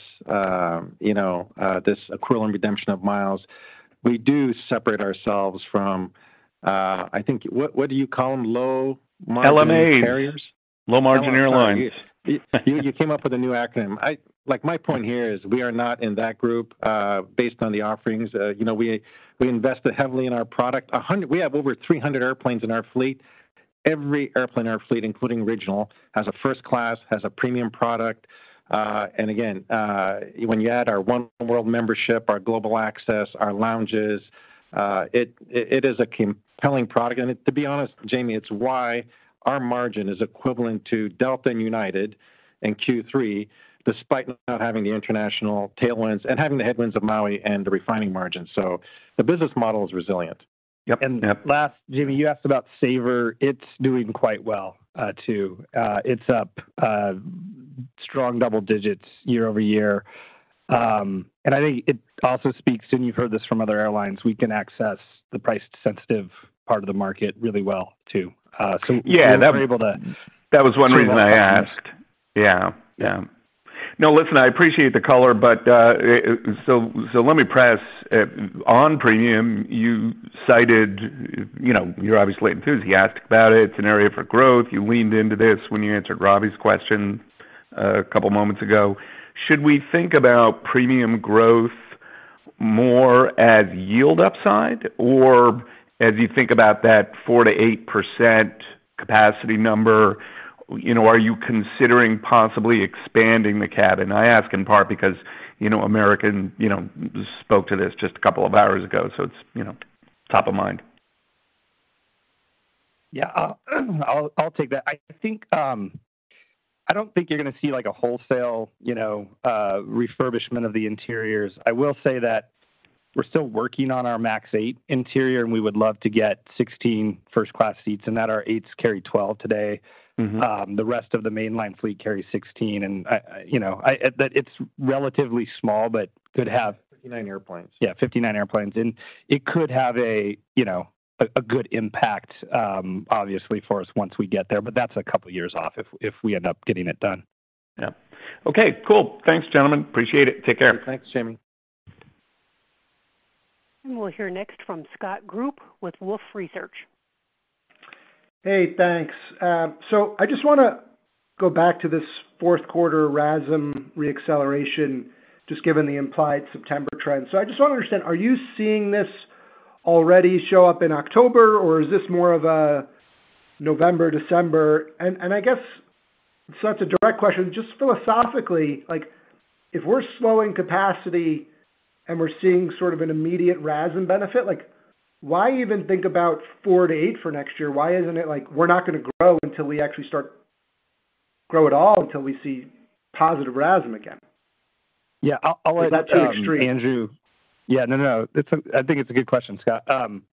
Speaker 3: you know, this equivalent redemption of miles. We do separate ourselves from, I think... What do you call them? Low margin-
Speaker 15: LMA
Speaker 3: - carriers?
Speaker 15: Low Margin Airlines.
Speaker 3: You came up with a new acronym. Like, my point here is we are not in that group based on the offerings. You know, we invested heavily in our product. We have over 300 airplanes in our fleet. Every airplane in our fleet, including regional, has a First Class, has a premium product. And again, when you add our oneworld membership, our global access, our lounges, it is a compelling product. And to be honest, Jamie, it's why our margin is equivalent to Delta and United in Q3, despite not having the international tailwinds and having the headwinds of Maui and the refining margins. So the business model is resilient.
Speaker 15: Yep.
Speaker 5: Last, Jamie, you asked about SABRE. It's doing quite well, too. It's up strong double digits year-over-year. And I think it also speaks, and you've heard this from other airlines, we can access the price-sensitive part of the market really well, too. So-
Speaker 15: Yeah, that-
Speaker 5: We were able to-
Speaker 15: That was one reason I asked. Yeah, yeah. No, listen, I appreciate the color, but, so, so let me press on premium. You cited, you know, you're obviously enthusiastic about it. It's an area for growth. You leaned into this when you answered Robbie's question a couple moments ago. Should we think about premium growth more as yield upside? Or as you think about that 4 percent-8 percent capacity number, you know, are you considering possibly expanding the cabin? I ask in part because, you know, American, you know, spoke to this just a couple of hours ago, so it's, you know, top of mind.
Speaker 5: Yeah, I'll, I'll take that. I think, I don't think you're gonna see like a wholesale, you know, refurbishment of the interiors. I will say that we're still working on our MAX 8 interior, and we would love to get 16 First Class seats, and that our eights carry 12 today.
Speaker 15: Mm-hmm.
Speaker 5: The rest of the mainline fleet carries 16, and, you know, that it's relatively small, but could have-
Speaker 3: Fifty-nine airplanes.
Speaker 5: Yeah, 59 airplanes. And it could have, you know, a good impact, obviously, for us once we get there, but that's a couple of years off if we end up getting it done.... Yeah. Okay, cool. Thanks, gentlemen. Appreciate it. Take care.
Speaker 3: Thanks, Sammy.
Speaker 1: We'll hear next from Scott Group with Wolfe Research.
Speaker 16: Hey, thanks. So I just wanna go back to this fourth quarter RASM reacceleration, just given the implied September trends. So I just want to understand, are you seeing this already show up in October, or is this more of a November, December? And I guess, so that's a direct question, just philosophically, like, if we're slowing capacity and we're seeing sort of an immediate RASM benefit, like, why even think about 4-8 for next year? Why isn't it like, we're not going to grow until we actually start grow at all until we see positive RASM again?
Speaker 5: Yeah, I'll let-
Speaker 16: Is that too extreme?
Speaker 5: Andrew. Yeah, no, no, no. It's a good question, Scott.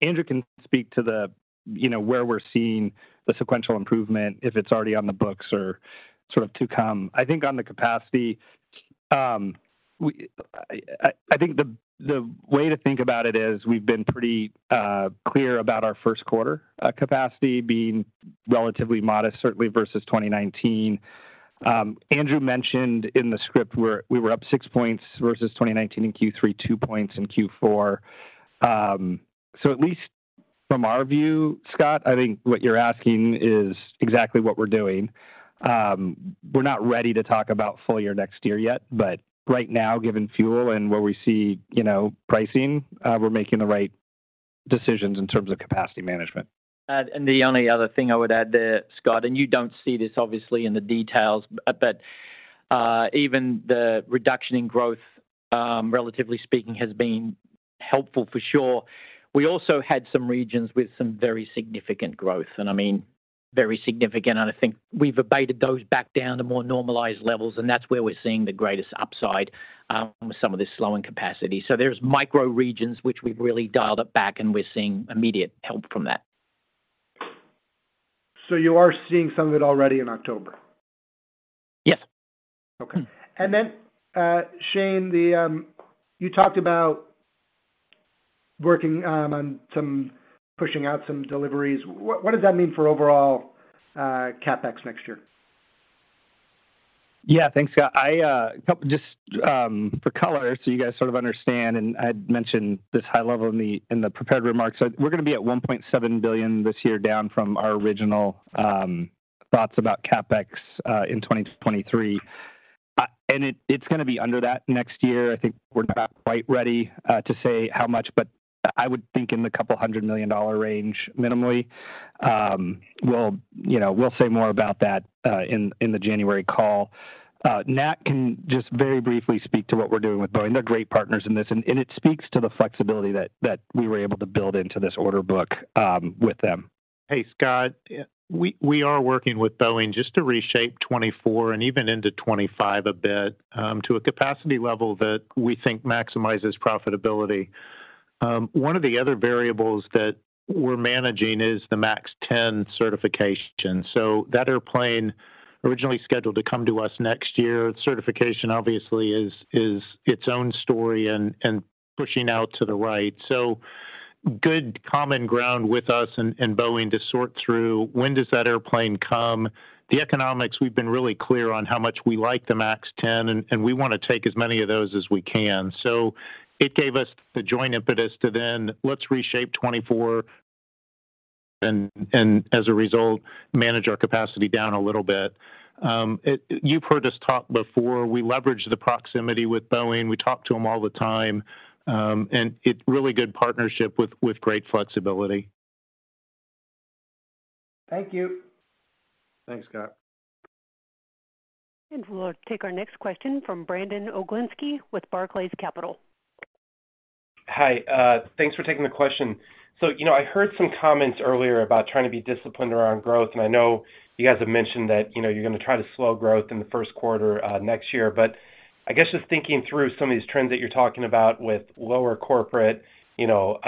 Speaker 5: Andrew can speak to the, you know, where we're seeing the sequential improvement, if it's already on the books or sort of to come. I think on the capacity, I think the way to think about it is we've been pretty clear about our first quarter capacity being relatively modest, certainly versus 2019. Andrew mentioned in the script where we were up 6 points versus 2019 in Q3, 2 points in Q4. So at least from our view, Scott, I think what you're asking is exactly what we're doing. We're not ready to talk about full year next year yet, but right now, given fuel and where we see, you know, pricing, we're making the right decisions in terms of capacity management.
Speaker 4: The only other thing I would add there, Scott, and you don't see this obviously in the details, but even the reduction in growth, relatively speaking, has been helpful for sure. We also had some regions with some very significant growth, and I mean, very significant. I think we've abated those back down to more normalized levels, and that's where we're seeing the greatest upside with some of this slowing capacity. There's micro regions which we've really dialed it back, and we're seeing immediate help from that.
Speaker 16: So you are seeing some of it already in October?
Speaker 4: Yes.
Speaker 16: Okay. And then, Shane, you talked about working on some pushing out some deliveries. What, what does that mean for overall CapEx next year?
Speaker 5: Yeah, thanks, Scott. I just, for color, so you guys sort of understand, and I had mentioned this high level in the prepared remarks. So we're going to be at $1.7 billion this year, down from our original thoughts about CapEx in 2023. And it's going to be under that next year. I think we're not quite ready to say how much, but I would think in the $200 million range minimally. We'll, you know, we'll say more about that in the January call. Nat can just very briefly speak to what we're doing with Boeing. They're great partners in this, and it speaks to the flexibility that we were able to build into this order book with them.
Speaker 10: Hey, Scott, we are working with Boeing just to reshape 2024 and even into 2025 a bit to a capacity level that we think maximizes profitability. One of the other variables that we're managing is the MAX 10 certification. So that airplane, originally scheduled to come to us next year, certification obviously is its own story and pushing out to the right. So good common ground with us and Boeing to sort through when does that airplane come? The economics, we've been really clear on how much we like the MAX 10, and we want to take as many of those as we can. So it gave us the joint impetus to then let's reshape 2024, and as a result, manage our capacity down a little bit. It. You've heard us talk before. We leverage the proximity with Boeing. We talk to them all the time, and it's really good partnership with great flexibility.
Speaker 16: Thank you.
Speaker 10: Thanks, Scott.
Speaker 1: We'll take our next question from Brandon Oglenski with Barclays Capital.
Speaker 17: Hi, thanks for taking the question. So, you know, I heard some comments earlier about trying to be disciplined around growth, and I know you guys have mentioned that, you know, you're going to try to slow growth in the first quarter, next year. But I guess just thinking through some of these trends that you're talking about with lower corporate, you know,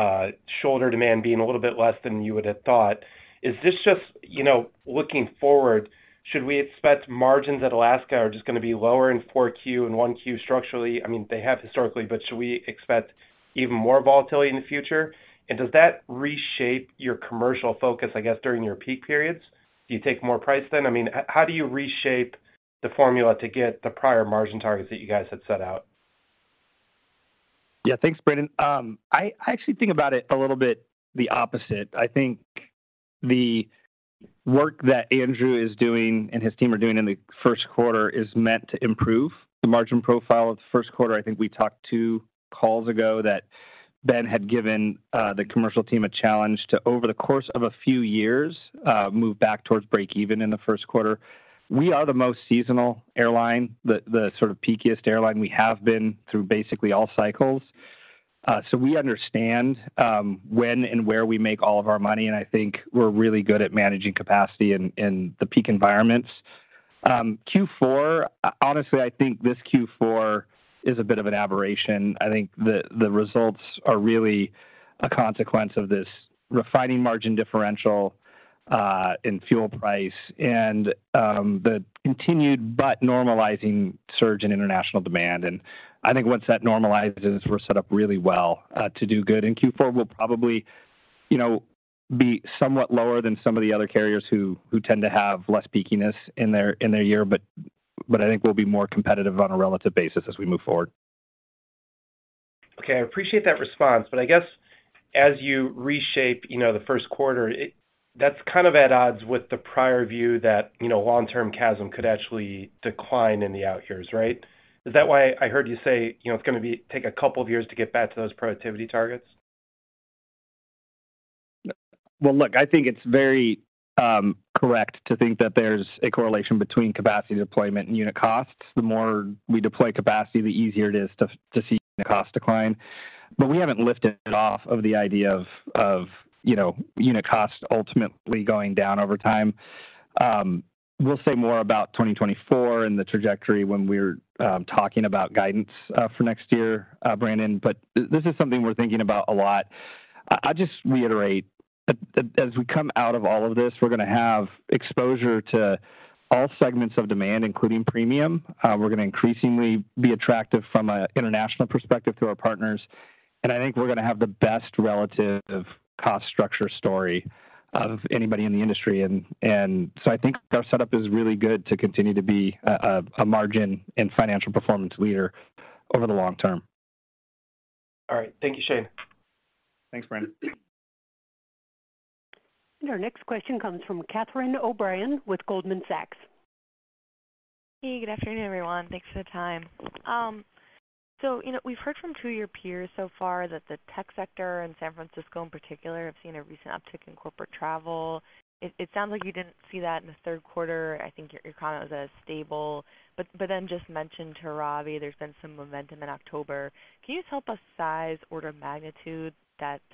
Speaker 17: shoulder demand being a little bit less than you would have thought, is this just, you know, looking forward, should we expect margins at Alaska are just going to be lower in 4Q and 1Q structurally? I mean, they have historically, but should we expect even more volatility in the future? And does that reshape your commercial focus, I guess, during your peak periods? Do you take more price then? I mean, how do you reshape the formula to get the prior margin targets that you guys had set out?
Speaker 5: Yeah, thanks, Brandon. I actually think about it a little bit the opposite. I think the work that Andrew is doing and his team are doing in the first quarter is meant to improve the margin profile of the first quarter. I think we talked two calls ago that Ben had given the commercial team a challenge to, over the course of a few years, move back towards break even in the first quarter. We are the most seasonal airline, the sort of peakiest airline. We have been through basically all cycles. So we understand when and where we make all of our money, and I think we're really good at managing capacity in the peak environments. Q4, honestly, I think this Q4 is a bit of an aberration. I think the results are really a consequence of this refining margin differential in fuel price and the continued but normalizing surge in international demand. And I think once that normalizes, we're set up really well to do good. In Q4, we'll you know, be somewhat lower than some of the other carriers who tend to have less peakiness in their year, but I think we'll be more competitive on a relative basis as we move forward.
Speaker 17: Okay, I appreciate that response, but I guess as you reshape, you know, the first quarter, that's kind of at odds with the prior view that, you know, long-term CASM could actually decline in the out years, right? Is that why I heard you say, you know, it's gonna be, take a couple of years to get back to those productivity targets?
Speaker 5: Well, look, I think it's very correct to think that there's a correlation between capacity deployment and unit costs. The more we deploy capacity, the easier it is to see the cost decline. But we haven't lifted it off of the idea of you know, unit cost ultimately going down over time. We'll say more about 2024 and the trajectory when we're talking about guidance for next year, Brandon, but this is something we're thinking about a lot. I just reiterate that as we come out of all of this, we're gonna have exposure to all segments of demand, including premium. We're gonna increasingly be attractive from a international perspective to our partners, and I think we're gonna have the best relative cost structure story of anybody in the industry. And so I think our setup is really good to continue to be a margin and financial performance leader over the long term.
Speaker 17: All right. Thank you, Shane.
Speaker 5: Thanks, Brandon.
Speaker 1: Our next question comes from Catherine O'Brien with Goldman Sachs.
Speaker 18: Hey, good afternoon, everyone. Thanks for the time. So, you know, we've heard from two of your peers so far that the tech sector in San Francisco, in particular, have seen a recent uptick in corporate travel. It sounds like you didn't see that in the third quarter. I think your comment was stable, but then just mentioned to Ravi there's been some momentum in October. Can you just help us size, order of magnitude, that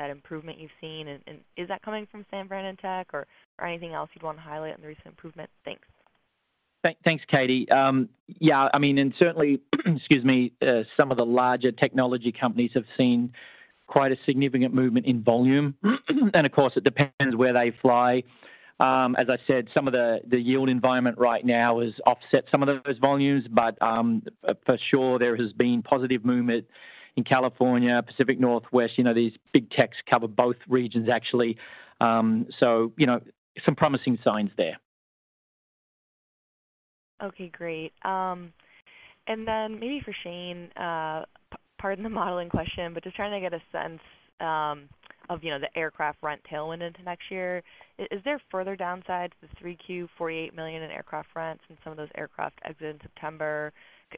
Speaker 18: improvement you've seen? And is that coming from San Francisco tech or anything else you'd want to highlight on the recent improvement? Thanks.
Speaker 4: Thanks, Cathy. Yeah, I mean, and certainly, excuse me, some of the larger technology companies have seen quite a significant movement in volume. And of course, it depends where they fly. As I said, some of the yield environment right now has offset some of those volumes, but for sure, there has been positive movement in California, Pacific Northwest. You know, these big techs cover both regions, actually. So, you know, some promising signs there.
Speaker 18: Okay, great. And then maybe for Shane, pardon the modeling question, but just trying to get a sense of, you know, the aircraft rent tailwind into next year. Is there further downside to the 3Q $48 million in aircraft rents and some of those aircraft exit in September?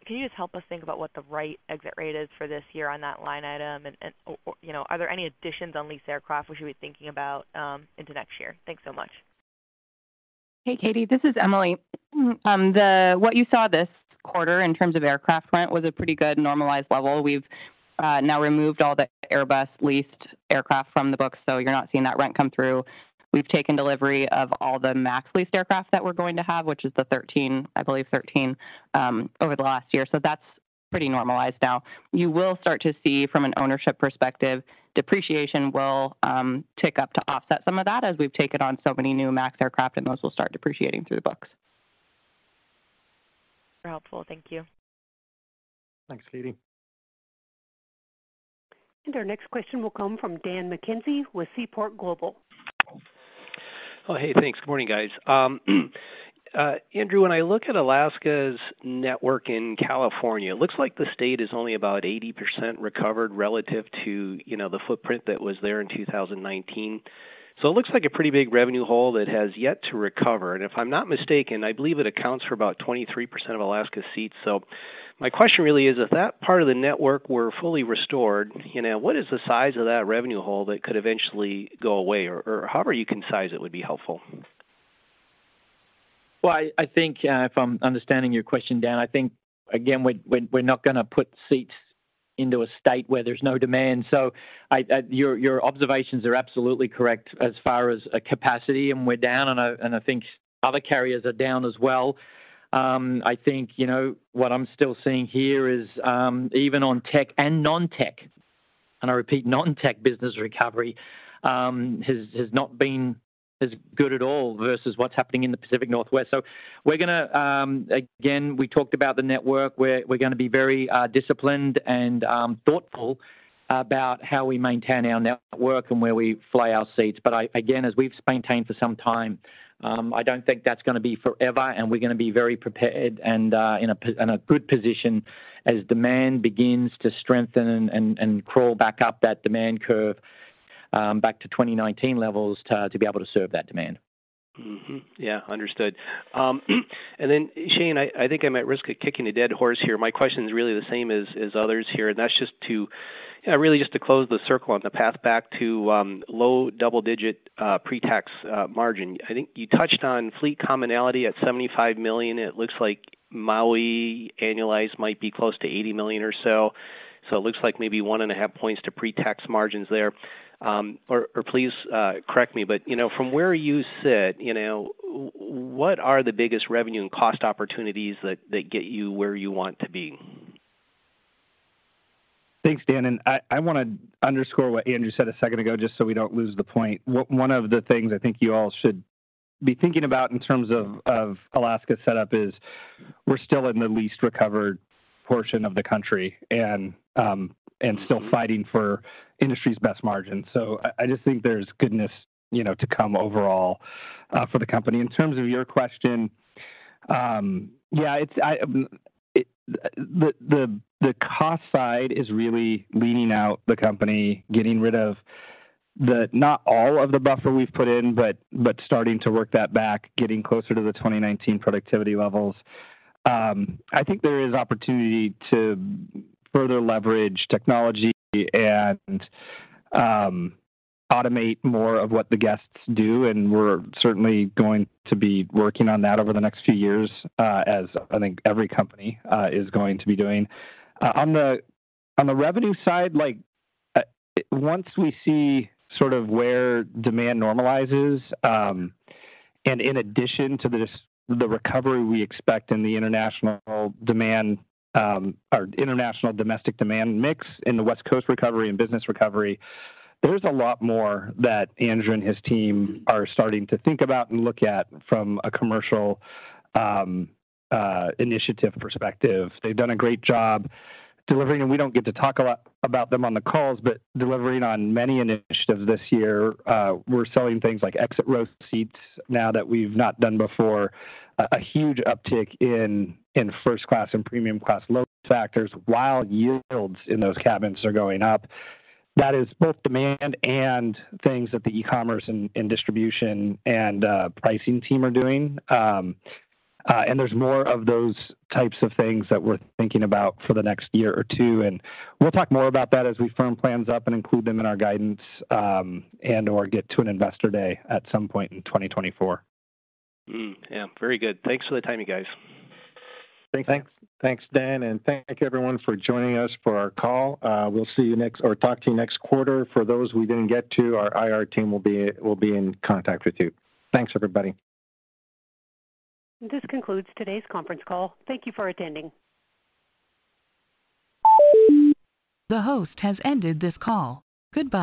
Speaker 18: Can you just help us think about what the right exit rate is for this year on that line item? And, or, you know, are there any additions on lease aircraft we should be thinking about into next year? Thanks so much.
Speaker 11: Hey, Cathy, this is Emily. The what you saw this quarter in terms of aircraft rent was a pretty good normalized level. We've now removed all the Airbus leased aircraft from the book, so you're not seeing that rent come through. We've taken delivery of all the MAX leased aircraft that we're going to have, which is the 13, I believe, 13, over the last year. So that's pretty normalized now. You will start to see from an ownership perspective, depreciation will tick up to offset some of that as we've taken on so many new MAX aircraft, and those will start depreciating through the books.
Speaker 18: Very helpful. Thank you.
Speaker 4: Thanks, Cathy.
Speaker 1: Our next question will come from Dan McKenzie with Seaport Global.
Speaker 19: Oh, hey, thanks. Good morning, guys. Andrew, when I look at Alaska's network in California, it looks like the state is only about 80 percent recovered relative to, you know, the footprint that was there in 2019. So it looks like a pretty big revenue hole that has yet to recover. And if I'm not mistaken, I believe it accounts for about 23 percent of Alaska's seats. So my question really is: if that part of the network were fully restored, you know, what is the size of that revenue hole that could eventually go away, or, or however you can size it, would be helpful.
Speaker 4: Well, I think if I'm understanding your question, Dan, I think again we're not gonna put seats into a state where there's no demand. So your observations are absolutely correct as far as capacity, and we're down, and I think other carriers are down as well. I think you know what I'm still seeing here is even on tech and non-tech, and I repeat, non-tech business recovery has not been as good at all versus what's happening in the Pacific Northwest. So we're gonna again we talked about the network we're gonna be very disciplined and thoughtful about how we maintain our network and where we fly our seats. But I, again, as we've maintained for some time, I don't think that's gonna be forever, and we're gonna be very prepared and in a good position as demand begins to strengthen and crawl back up that demand curve, back to 2019 levels, to be able to serve that demand.
Speaker 19: Mm-hmm. Yeah, understood. Then, Shane, I think I'm at risk of kicking a dead horse here. My question is really the same as others here, and that's just to really just to close the circle on the path back to low double-digit pre-tax margin. I think you touched on fleet commonality at $75 million. It looks like Maui, annualized, might be close to $80 million or so. So it looks like maybe 1.5 points to pre-tax margins there. Or please correct me, but you know, from where you sit, you know, what are the biggest revenue and cost opportunities that get you where you want to be?
Speaker 5: Thanks, Dan, and I want to underscore what Andrew said a second ago, just so we don't lose the point. One of the things I think you all should be thinking about in terms of Alaska's setup is we're still in the least recovered portion of the country, and still fighting for industry's best margin. So I just think there's goodness, you know, to come overall for the company. In terms of your question, yeah, it's the cost side is really leaning out the company, getting rid of not all of the buffer we've put in, but starting to work that back, getting closer to the 2019 productivity levels. I think there is opportunity to further leverage technology and automate more of what the guests do, and we're certainly going to be working on that over the next few years, as I think every company is going to be doing. On the revenue side, like, once we see sort of where demand normalizes, and in addition to this, the recovery we expect in the international demand, or international domestic demand mix, in the West Coast recovery and business recovery, there's a lot more that Andrew and his team are starting to think about and look at from a commercial initiative perspective. They've done a great job delivering, and we don't get to talk a lot about them on the calls, but delivering on many initiatives this year. We're selling things like exit row seats now that we've not done before. A huge uptick in First Class and premium class load factors, while yields in those cabins are going up. That is both demand and things that the e-commerce and distribution and pricing team are doing. And there's more of those types of things that we're thinking about for the next year or two, and we'll talk more about that as we firm plans up and include them in our guidance, and/or get to an investor day at some point in 2024.
Speaker 19: Mm. Yeah. Very good. Thanks for the time, you guys.
Speaker 5: Thanks.
Speaker 3: Thanks, Dan, and thank everyone for joining us for our call. We'll see you next or talk to you next quarter. For those we didn't get to, our IR team will be in contact with you. Thanks, everybody.
Speaker 1: This concludes today's conference call. Thank you for attending.